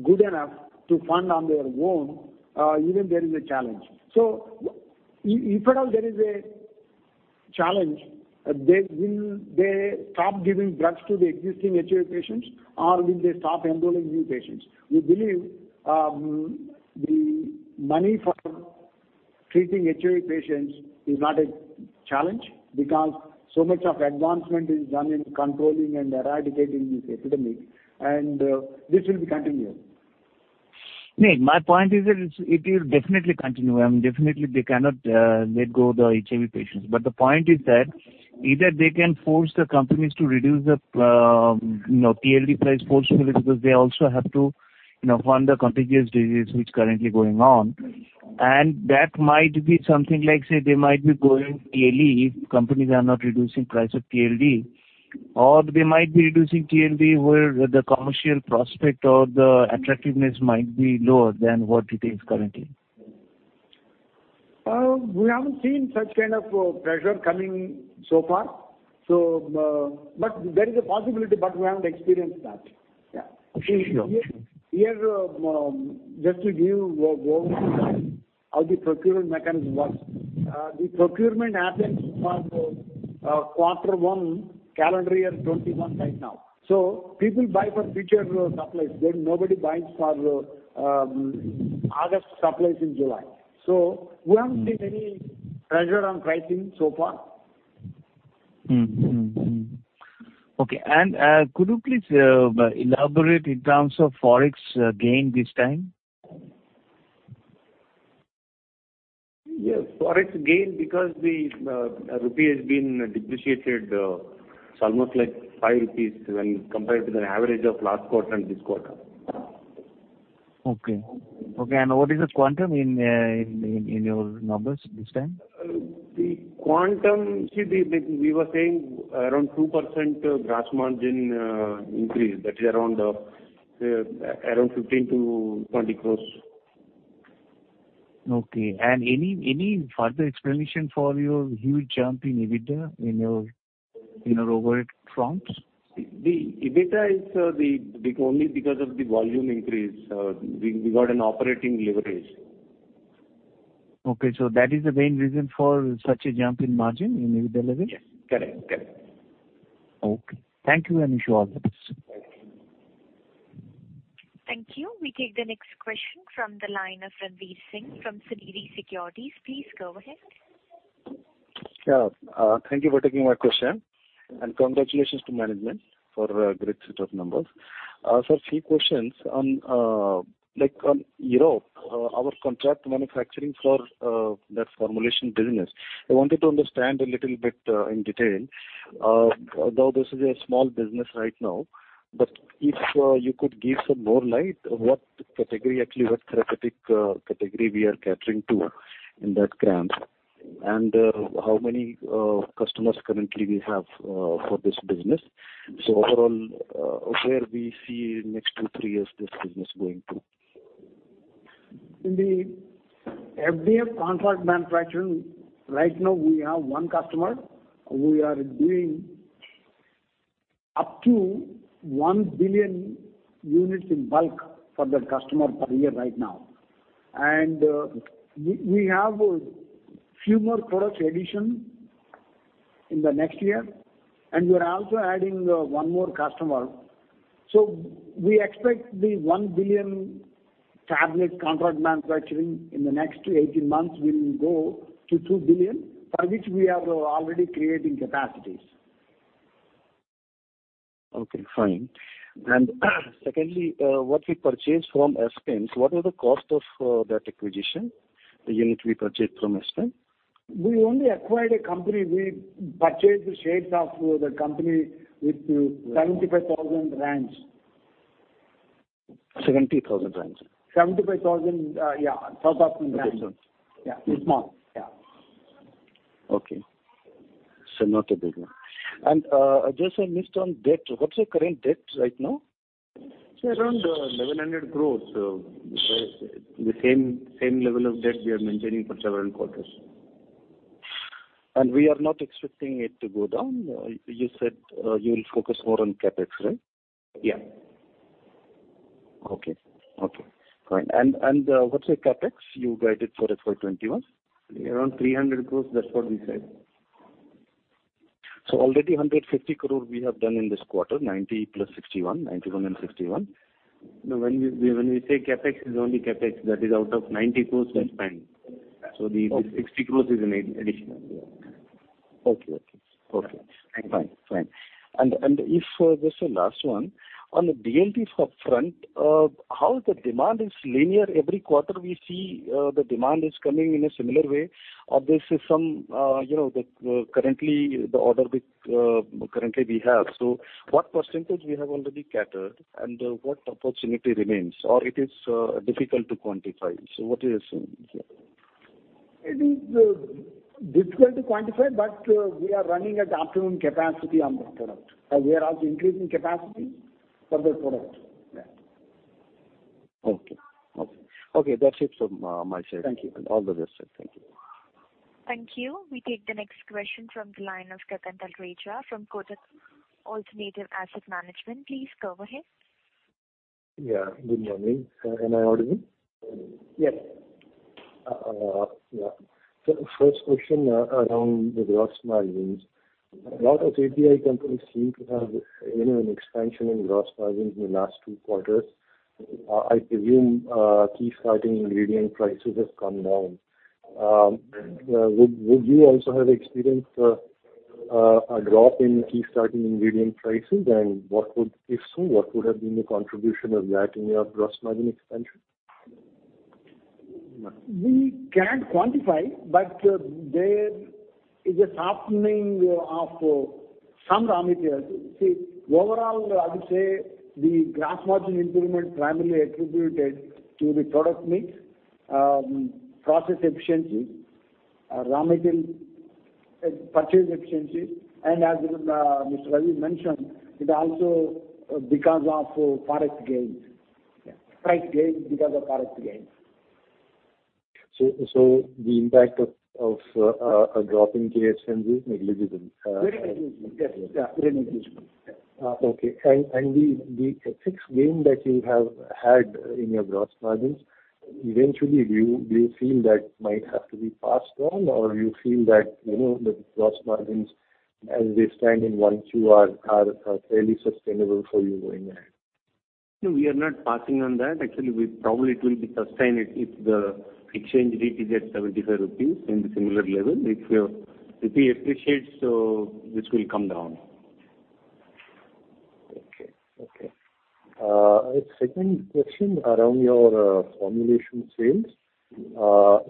good enough to fund on their own, even if there is a challenge. If at all there is a challenge, will they stop giving drugs to the existing HIV patients, or will they stop enrolling new patients? We believe the money for treating HIV patients is not a challenge because so much advancement is done in controlling and eradicating this epidemic, and this will be continuous. My point is that it will definitely continue, and definitely they cannot let go of the HIV patients. The point is that either they can force the companies to reduce the DLT price forcibly because they also have to fund the contagious disease which is currently going on. That might be something like, say they might be going TLE if companies are not reducing price of DLT, or they might be reducing DLT where the commercial prospect or the attractiveness might be lower than what it is currently. We haven't seen such kind of pressure coming so far. There is a possibility, but we haven't experienced that. Yeah. Sure. Here, just to give you a overview how the procurement mechanism works. The procurement happens for quarter one, calendar year 2021 right now. People buy for future supplies. Nobody buys August supplies in July. We haven't seen any pressure on pricing so far. Okay. Could you please elaborate in terms of Forex gain this time? Yes. Forex gain because the rupee has been depreciated. It's almost like five rupees when compared to the average of last quarter and this quarter. Okay. What is the quantum in your numbers this time? The quantum, we were saying around 2% gross margin increase, that is around 15 crores-20 crores. Okay. Any further explanation for your huge jump in EBITDA in your overall fronts? The EBITDA is only because of the volume increase. We got an operating leverage. Okay, that is the main reason for such a jump in margin in EBITDA leverage? Yes. Correct. Okay. Thank you, and wish you all the best. Thank you. Thank you. We take the next question from the line of Ranveer Singh from Sunidhi Securities. Please go ahead. Yeah. Thank you for taking my question, and congratulations to management for a great set of numbers. Sir, few questions. On Europe, our contract manufacturing for that formulation business, I wanted to understand a little bit in detail. Though this is a small business right now, but if you could give some more light on what therapeutic category we are catering to in that CRAMS? And how many customers currently we have for this business. Overall, where we see next two, three years this business going to? In the FDA contract manufacturing, right now we have one customer. We are doing up to 1 billion units in bulk for that customer per year right now. We have a few more products addition in the next year, and we're also adding one more customer. We expect the 1 billion tablet contract manufacturing in the next 18 months, we will go to 2 billion, for which we are already creating capacities. Okay, fine. secondly, what we purchased from Aspen's, what was the cost of that acquisition? The unit we purchased from Aspen. We only acquired a company. We purchased the shares of the company with 75,000 rand. 70,000 rand? 75,000, yeah. Thousand rands. Okay. Not a big one. Just a note on debt. What's your current debt right now? Sir, around 1,100 crores. The same level of debt we are maintaining for several quarters. We are not expecting it to go down. You said, you'll focus more on CapEx, right? Yeah. Okay. Fine. what's your CapEx you guided for FY 2021? Around 300 crores. That's what we said. Already 150 crore we have done in this quarter, 91 crores plus 61 crores.. No, when we say CapEx is only CapEx, that is out of 90 crores we have spent. the- Okay. 60 crores is an additional. Yeah. Okay. Fine. If, this is the last one. On the DMF front, how the demand is linear. Every quarter we see the demand is coming in a similar way. Obviously, some, currently the order we have. What percentage we have already catered and what opportunity remains, or it is difficult to quantify? What is it? It is difficult to quantify, but we are running at optimum capacity on that product. We are also increasing capacity for that product. Yeah. Okay. That's it from my side. Thank you. all the best. Thank you. Thank you. We take the next question from the line of Gagan Thareja from Kotak Alternative Asset Management. Please go ahead. Yeah, good morning. Am I audible? Yes. Yeah. The first question around the gross margins. A lot of API companies seem to have an expansion in gross margins in the last two quarters. I presume key starting ingredient prices have come down. Would you also have experienced a drop in key starting ingredient prices? If so, what could have been the contribution of that in your gross margin expansion? We can't quantify, but there is a softening of some raw materials. See, overall, I would say the gross margin improvement primarily attributed to the product mix, process efficiency, raw material purchase efficiency, and as Mr. Ravi mentioned, it also because of Forex gains. Yeah. Price gain because of Forex gains. the impact of a droping KSI is negligible. Very negligible. Yes. Okay. The fixed gain that you have had in your gross margins, eventually, do you feel that might have to be passed on, or you feel that the gross margins as they stand in 1Q are fairly sustainable for you going ahead? No, we are not passing on that. Actually, probably it will be sustained if the exchange rate is at 75 rupees in the similar level. If rupee appreciates, this will come down. Okay. A second question around your formulation sales.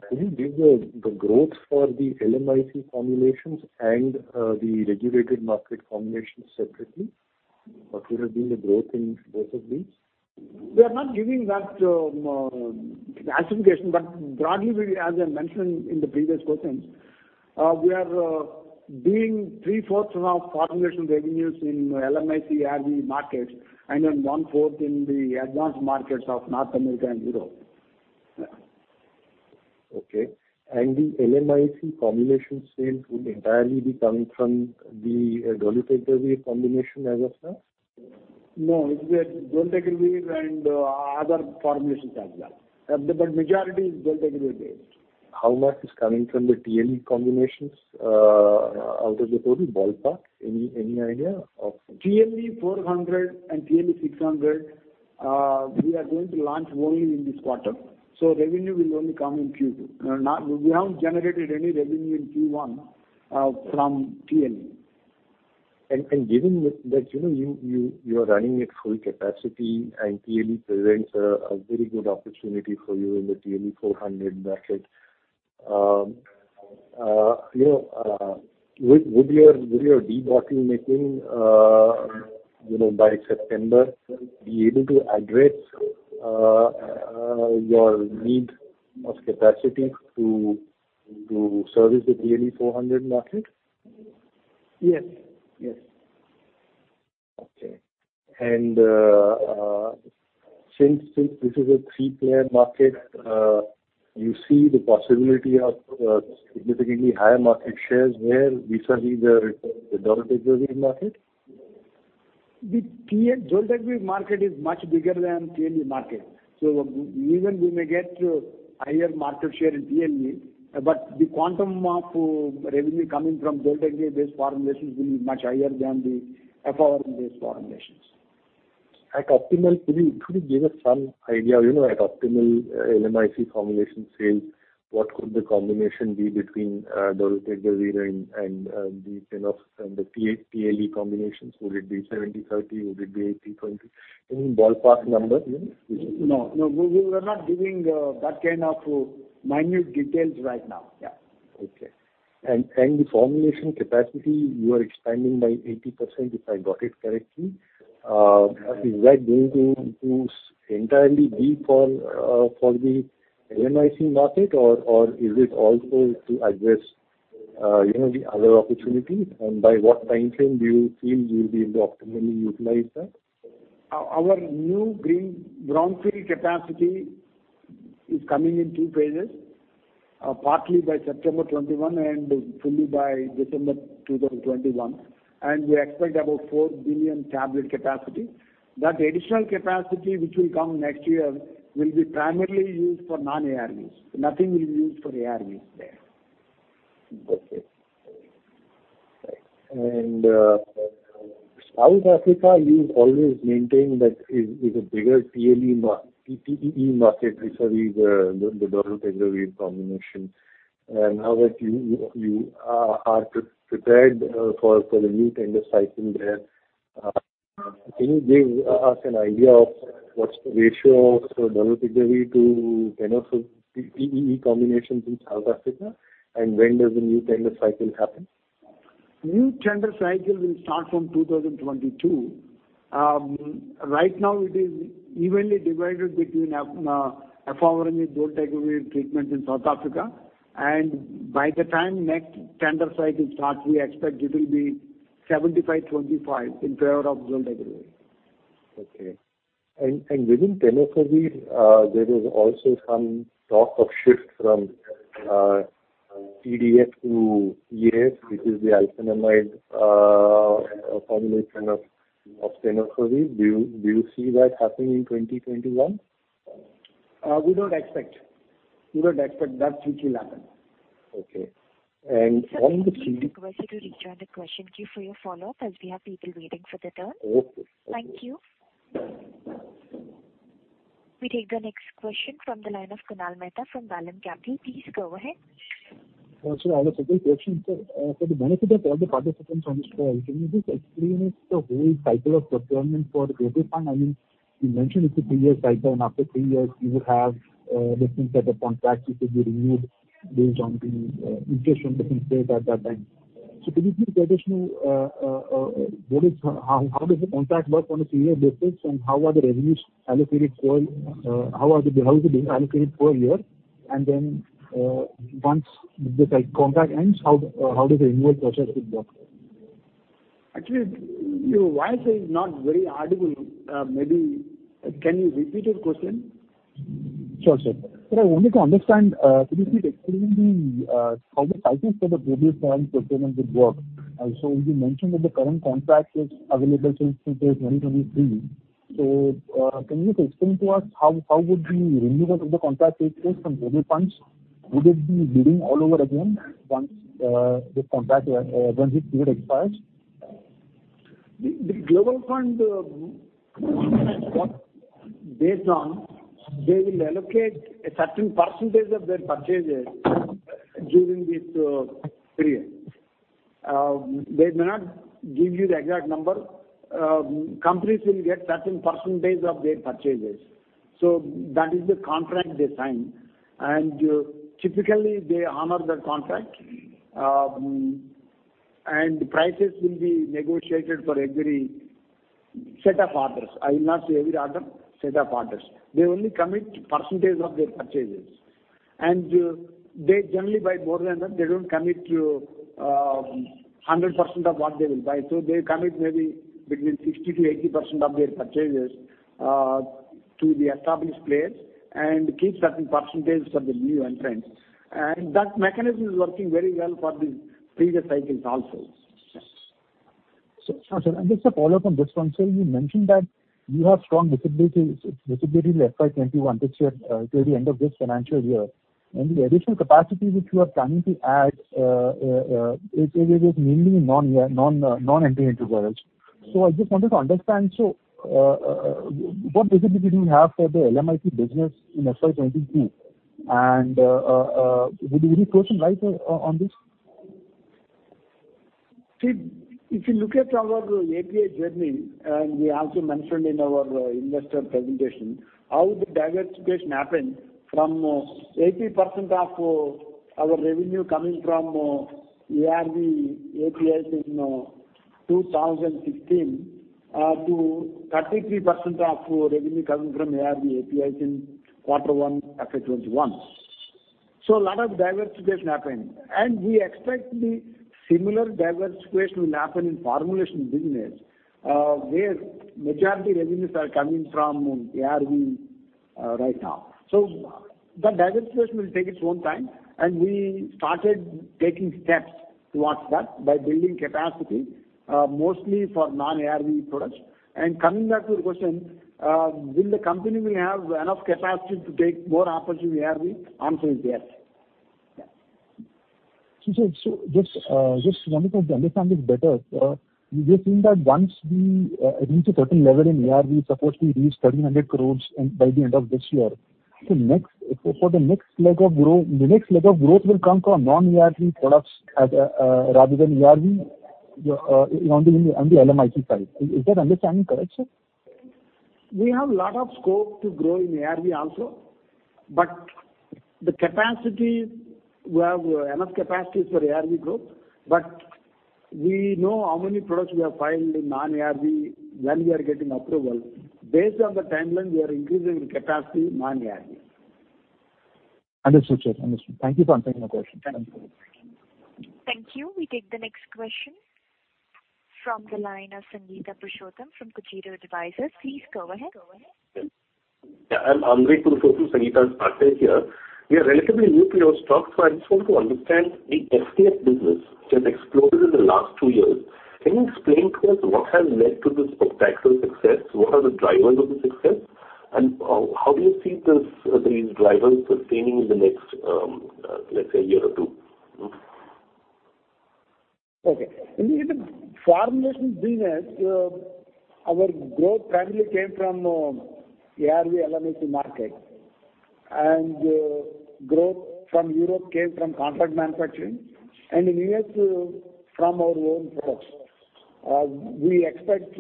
Can you give the growth for the LMIC formulations and the regulated market formulations separately? What would have been the growth in both of these? We are not giving that allocation. Broadly, as I mentioned in the previous questions, we are doing 3/4 of our formulation revenues in LMIC ARV markets, and then 1/4 in the advanced markets of North America and Europe. Yeah. Okay. The LMIC formulation sales would entirely be coming from the dolutegravir formulation as of now? No, it's the dolutegravir and other formulations as well. majority is dolutegravir-based. How much is coming from the TLE combinations out of the total? Ballpark, any idea? TLE400 and TLE600, we are going to launch only in this quarter, so revenue will only come in Q2. We haven't generated any revenue in Q1 from TLE. Given that you are running at full capacity, and TLE presents a very good opportunity for you in the TLE400 market, would your debottlenecking by September be able to address your need of capacity to service the TLE400 market? Yes. Okay. Since this is a three-player market, do you see the possibility of significantly higher market shares there vis-à-vis the dolutegravir market? The dolutegravir market is much bigger than TLE market. Even we may get higher market share in TLE, but the quantum of revenue coming from dolutegravir-based formulations will be much higher than the efavirenz-based formulations. Could you give us some idea, at optimal LMIC formulation sales, what could the combination be between dolutegravir and the tenofovir and the TLE combinations? Would it be 70:30? Would it be 80:20? Any ballpark number? No. We are not giving that kind of minute details right now. Yeah. Okay. The formulation capacity you are expanding by 80%, if I got it correctly. Is that going to entirely be for the LMIC market or is it also to address the other opportunities, and by what timeframe do you feel you'll be able to optimally utilize that? Our new Brownfield capacity is coming in two phases, partly by September 21 and fully by December 2021. We expect about 4 billion tablet capacity. That additional capacity which will come next year will be primarily used for non-ARVs. Nothing will be used for ARVs there. Okay. South Africa, you've always maintained that it is a bigger TLE market vis-à-vis the dolutegravir combination. Now that you are prepared for the new tender cycle there, can you give us an idea of what's the ratio of doluteravir to tenofovir TEE combinations in South Africa, and when does the new tender cycle happen? New tender cycle will start from 2022. Right now it is evenly divided between efavirenz, dolutegravir treatment in South Africa. By the time next tender cycle starts, we expect it will be 75:25 in favor of dolutegravir. Okay. Within tenofovir, there is also some talk of shift from TDF to TAF, which is the alafenamide formulation of tenofovir. Do you see that happening in 2021? We don't expect that shift will happen. Okay. on the- Sir, could we request you to rejoin the question queue for your follow-up, as we have people waiting for their turn? Okay. Thank you. We take the next question from the line of Kunal Mehta from Vallum Capital. Please go ahead. Sure. I have a simple question. Sir, for the benefit of all the participants on this call, can you just explain the whole cycle of procurement for Global Fund? You mentioned it's a three-year cycle and after three years you would have different set of contracts which will be renewed based on the interest will be considered at that time. could you please tell us how does the contract work on a three-year basis, and how are the business allocated for a year? once the contract ends, how does the annual process work? Actually, your voice is not very audible. Maybe can you repeat your question? Sure, sir. Sir, I wanted to understand, could you please explain how the cycles for the Global Fund procurement would work? You mentioned that the current contract is available till 2023. Can you please explain to us how would the renewal of the contract take place from Global Funds? Would it be bidding all over again once this period expires? The Global Fund procurement work based on they will allocate a certain percentage of their purchases during this period. They may not give you the exact number. Companies will get certain percentage of their purchases. That is the contract they sign, and typically they honor that contract. Prices will be negotiated for every set of orders. I will not say every order, set of orders. They only commit percentage of their purchases. They generally buy more than that. They don't commit to 100% of what they will buy. They commit maybe between 60% to 80% of their purchases to the established players and keep certain percentage for the new entrants. That mechanism is working very well for the previous cycles also. Sure. Sir, just a follow-up on this one. Sir, you mentioned that you have strong visibility to FY 2021, till the end of this financial year, and the additional capacity which you are planning to add is mainly non-anti-retroviral. I just wanted to understand, so what visibility do you have for the LMIC business in FY 2022, and would you be focusing light on this? See, if you look at our API journey, and we also mentioned in our investor presentation how the diversification happened from 80% of our revenue coming from ARV APIs in 2016 to 33% of revenue coming from ARV APIs in quarter one FY 2021. A lot of diversification happened, and we expect the similar diversification will happen in formulation business where majority revenues are coming from ARV right now. That diversification will take its own time, and we started taking steps towards that by building capacity mostly for non-ARV products. Coming back to your question, will the company have enough capacity to take more opportunity in ARV? Answer is yes. Sir, just wanted to understand this better. We are seeing that once we reach a certain level in ARV, supposed to reach 1,300 crores by the end of this year. For the next leg of growth will come from non-ARV products rather than ARV on the LMIC side. Is that understanding correct, sir? We have lot of scope to grow in ARV also. We have enough capacities for ARV growth, but we know how many products we have filed in non-ARV, when we are getting approval. Based on the timeline, we are increasing the capacity non-ARV. Understood, sir. Thank you for answering my question. Thank you. Thank you. We take the next question from the line of Sangeeta Purushottam from Cogito Advisors. Please go ahead. Yes. I'm Andrey Purushotham, Sangeeta's partner here. We are relatively new to your stock, so I just want to understand the FDF business which has exploded in the last two years. Can you explain to us what has led to this spectacular success? What are the drivers of the success, and how do you see these drivers sustaining in the next, let's say, year or two? Okay. In the formulation business, our growth primarily came from ARV LMIC market, and growth from Europe came from contract manufacturing, and in U.S. from our own products. We expect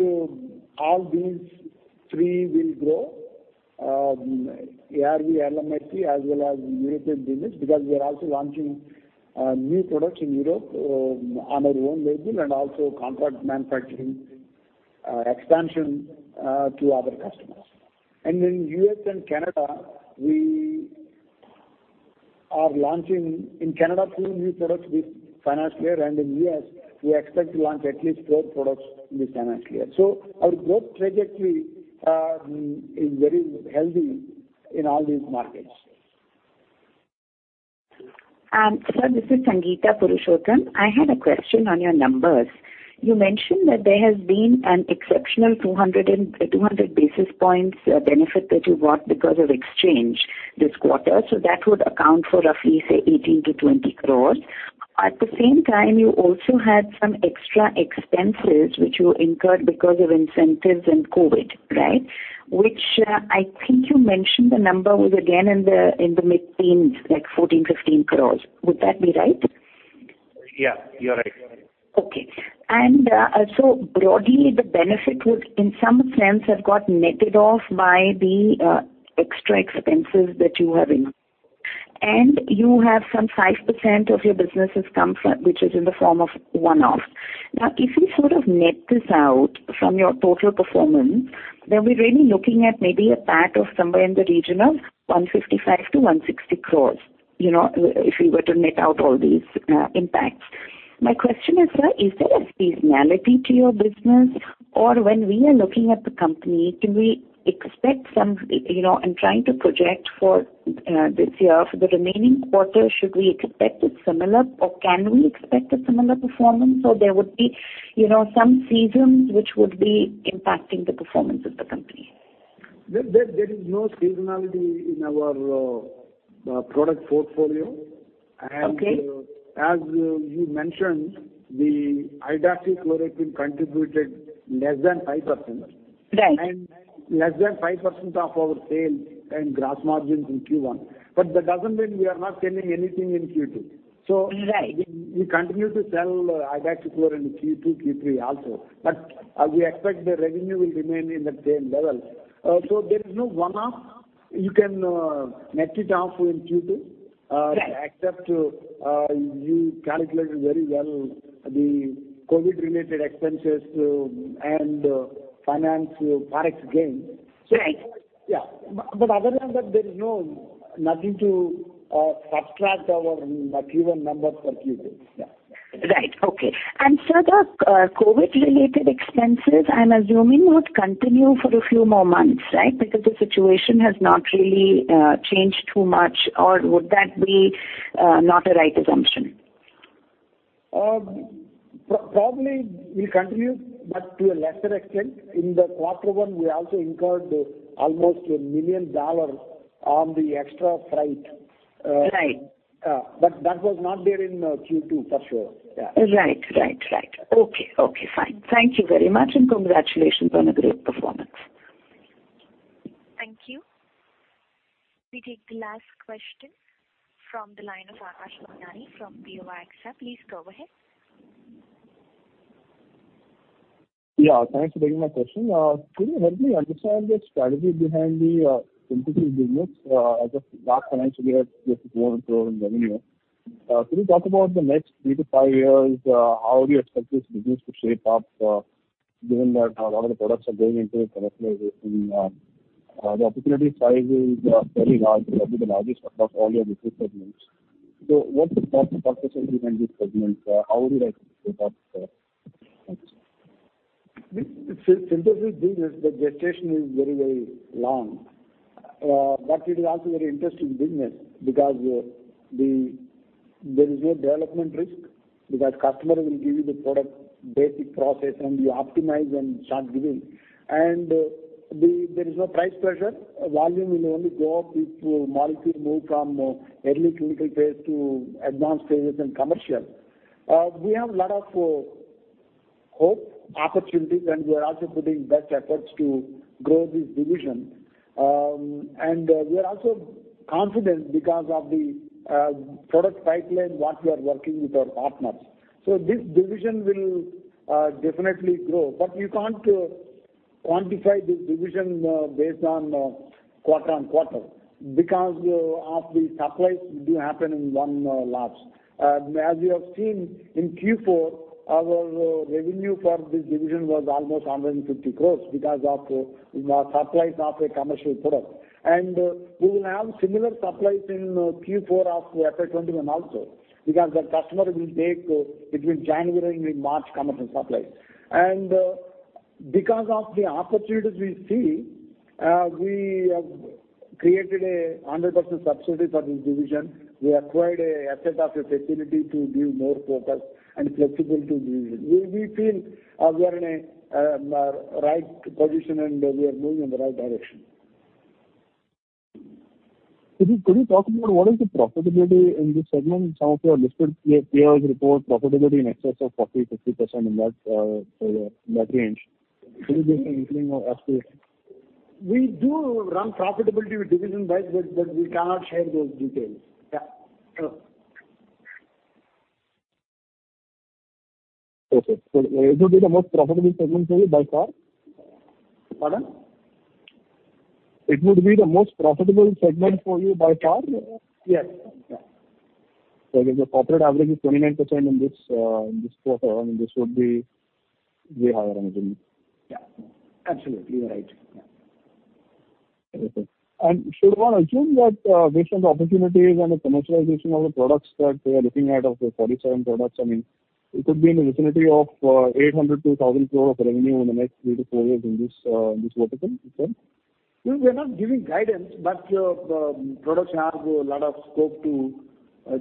all these three will grow, ARV LMIC, as well as European business, because we are also launching new products in Europe on our own label and also contract manufacturing expansion to other customers. In U.S. and Canada, we are launching in Canada two new products this financial year, and in U.S., we expect to launch at least four products this financial year. Our growth trajectory is very healthy in all these markets. Sir, this is Sangeeta Purushottam. I had a question on your numbers. You mentioned that there has been an exceptional 200 basis points benefit that you got because of exchange this quarter. That would account for roughly, say, 18 crores-20 crores. At the same time, you also had some extra expenses which you incurred because of incentives and COVID, right? I think you mentioned the number was again in the mid-teens, like 14 crores-15 crores. Would that be right? Yeah, you're right. Broadly, the benefit would in some sense have got netted off by the extra expenses that you have incurred. You have some 5% of your business has come, which is in the form of one-off. If we sort of net this out from your total performance, then we're really looking at maybe a PAT of somewhere in the region of 155 crores-160 crores, if we were to net out all these impacts. My question is, sir, is there a seasonality to your business? When we are looking at the company, can we expect some, and trying to project for this year, for the remaining quarter, should we expect a similar or can we expect a similar performance or there would be some seasons which would be impacting the performance of the company? There is no seasonality in our product portfolio. Okay. As you mentioned, the hydroxychloroquine contributed less than 5%. Right. Less than 5% of our sales and gross margins in Q1. That doesn't mean we are not selling anything in Q2. Right. We continue to sell hydroxychloroquine in Q2, Q3 also. We expect the revenue will remain in the same level. There is no one-off. You can net it off in Q2. Right. Except you calculated very well the COVID-related expenses and finance Forex gain. Right. Yeah. Other than that, there is nothing to subtract our Q1 numbers for Q2. Yeah. Right. Okay. Sir, the COVID-related expenses, I'm assuming would continue for a few more months, right? Because the situation has not really changed too much or would that be not a right assumption? Probably we'll continue, but to a lesser extent. In the quarter one, we also incurred almost $1 million on the extra freight. Right. That was not there in Q2 for sure. Yeah. Right. Okay, fine. Thank you very much, and congratulations on a great performance. Thank you. We take the last question from the line of Aakash Manghani from BOI AXA. Please go ahead. Yeah, thanks for taking my question. Could you help me understand the strategy behind the synthesis business? As of last financial year close to INR 400 crores in revenue. Could you talk about the next three to five years, how you expect this business to shape up, given that a lot of the products are going into the commercialization. The opportunity size is very large, probably the largest across all your different segments. What is the thought process behind this segment? How would you like it to shape up there? Thanks. Synthesis business, the gestation is very, very long. It is also very interesting business because there is no development risk, because customer will give you the product basic process, and you optimize and start giving. There is no price pressure. Volume will only go up if molecule move from early clinical phase to advanced phases and commercial. We have lot of hope, opportunities, and we are also putting best efforts to grow this division. We are also confident because of the product pipeline, what we are working with our partners. This division will definitely grow, but you can't quantify this division based on quarter-on-quarter. Because of the supplies do happen in one labs. As you have seen, in Q4, our revenue for this division was almost 150 crores because of supplies of a commercial product. We will have similar supplies in Q4 of FY 2021 also. Because the customer will take between January and March commercial supplies. Because of the opportunities we see, we have created 100% subsidiary for this division. We acquired a asset of a facility to give more focus and flexibility to the division. We feel we are in a right position, and we are moving in the right direction. Could you talk about what is the profitability in this segment? Some of your listed peers report profitability in excess of 40%, 50% in that range. Could you give some coloring or aspiration? We do run profitability division-wide, but we cannot share those details. Yeah. Okay. it would be the most profitable segment for you by far? Pardon? It would be the most profitable segment for you by far? Yes. If your corporate average is 29% in this quarter, I mean, this would be way higher, I assuming. Yeah. Absolutely right. Yeah. Okay. Should one assume that based on the opportunities and the commercialization of the products that we are looking at of the 47 products, I mean, it could be in the vicinity of 800 crore-1000 crore of revenue in the next three to four years in this vertical? We are not giving guidance, but products have a lot of scope to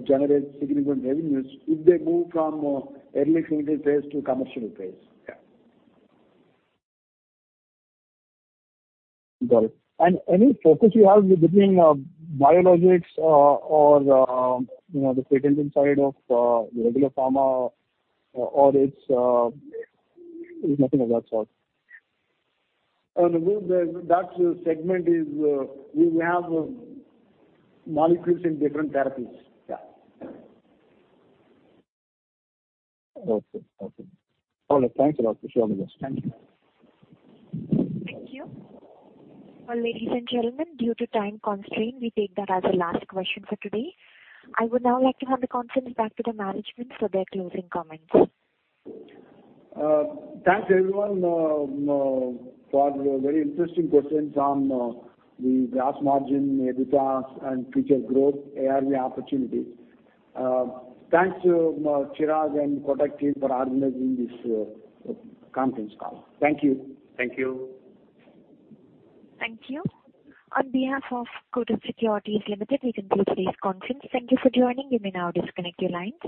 generate significant revenues if they move from early clinical phase to commercial phase. Yeah. Got it. Any focus you have between biologics or the small molecule side of regular pharma, or it's nothing of that sort? That segment is we have molecules in different therapies. Yeah. Okay. All right. Thanks a lot for sharing with us. Thank you. Thank you. Ladies and gentlemen, due to time constraint, we take that as the last question for today. I would now like to hand the conference back to the management for their closing comments. Thanks, everyone, for the very interesting questions on the gross margin, EBITDA and future growth, ARV opportunity. Thanks to Chirag and Kotak team for organizing this conference call. Thank you. Thank you. Thank you. On behalf of Kotak Securities Limited, we conclude today's conference. Thank you for joining. You may now disconnect your lines.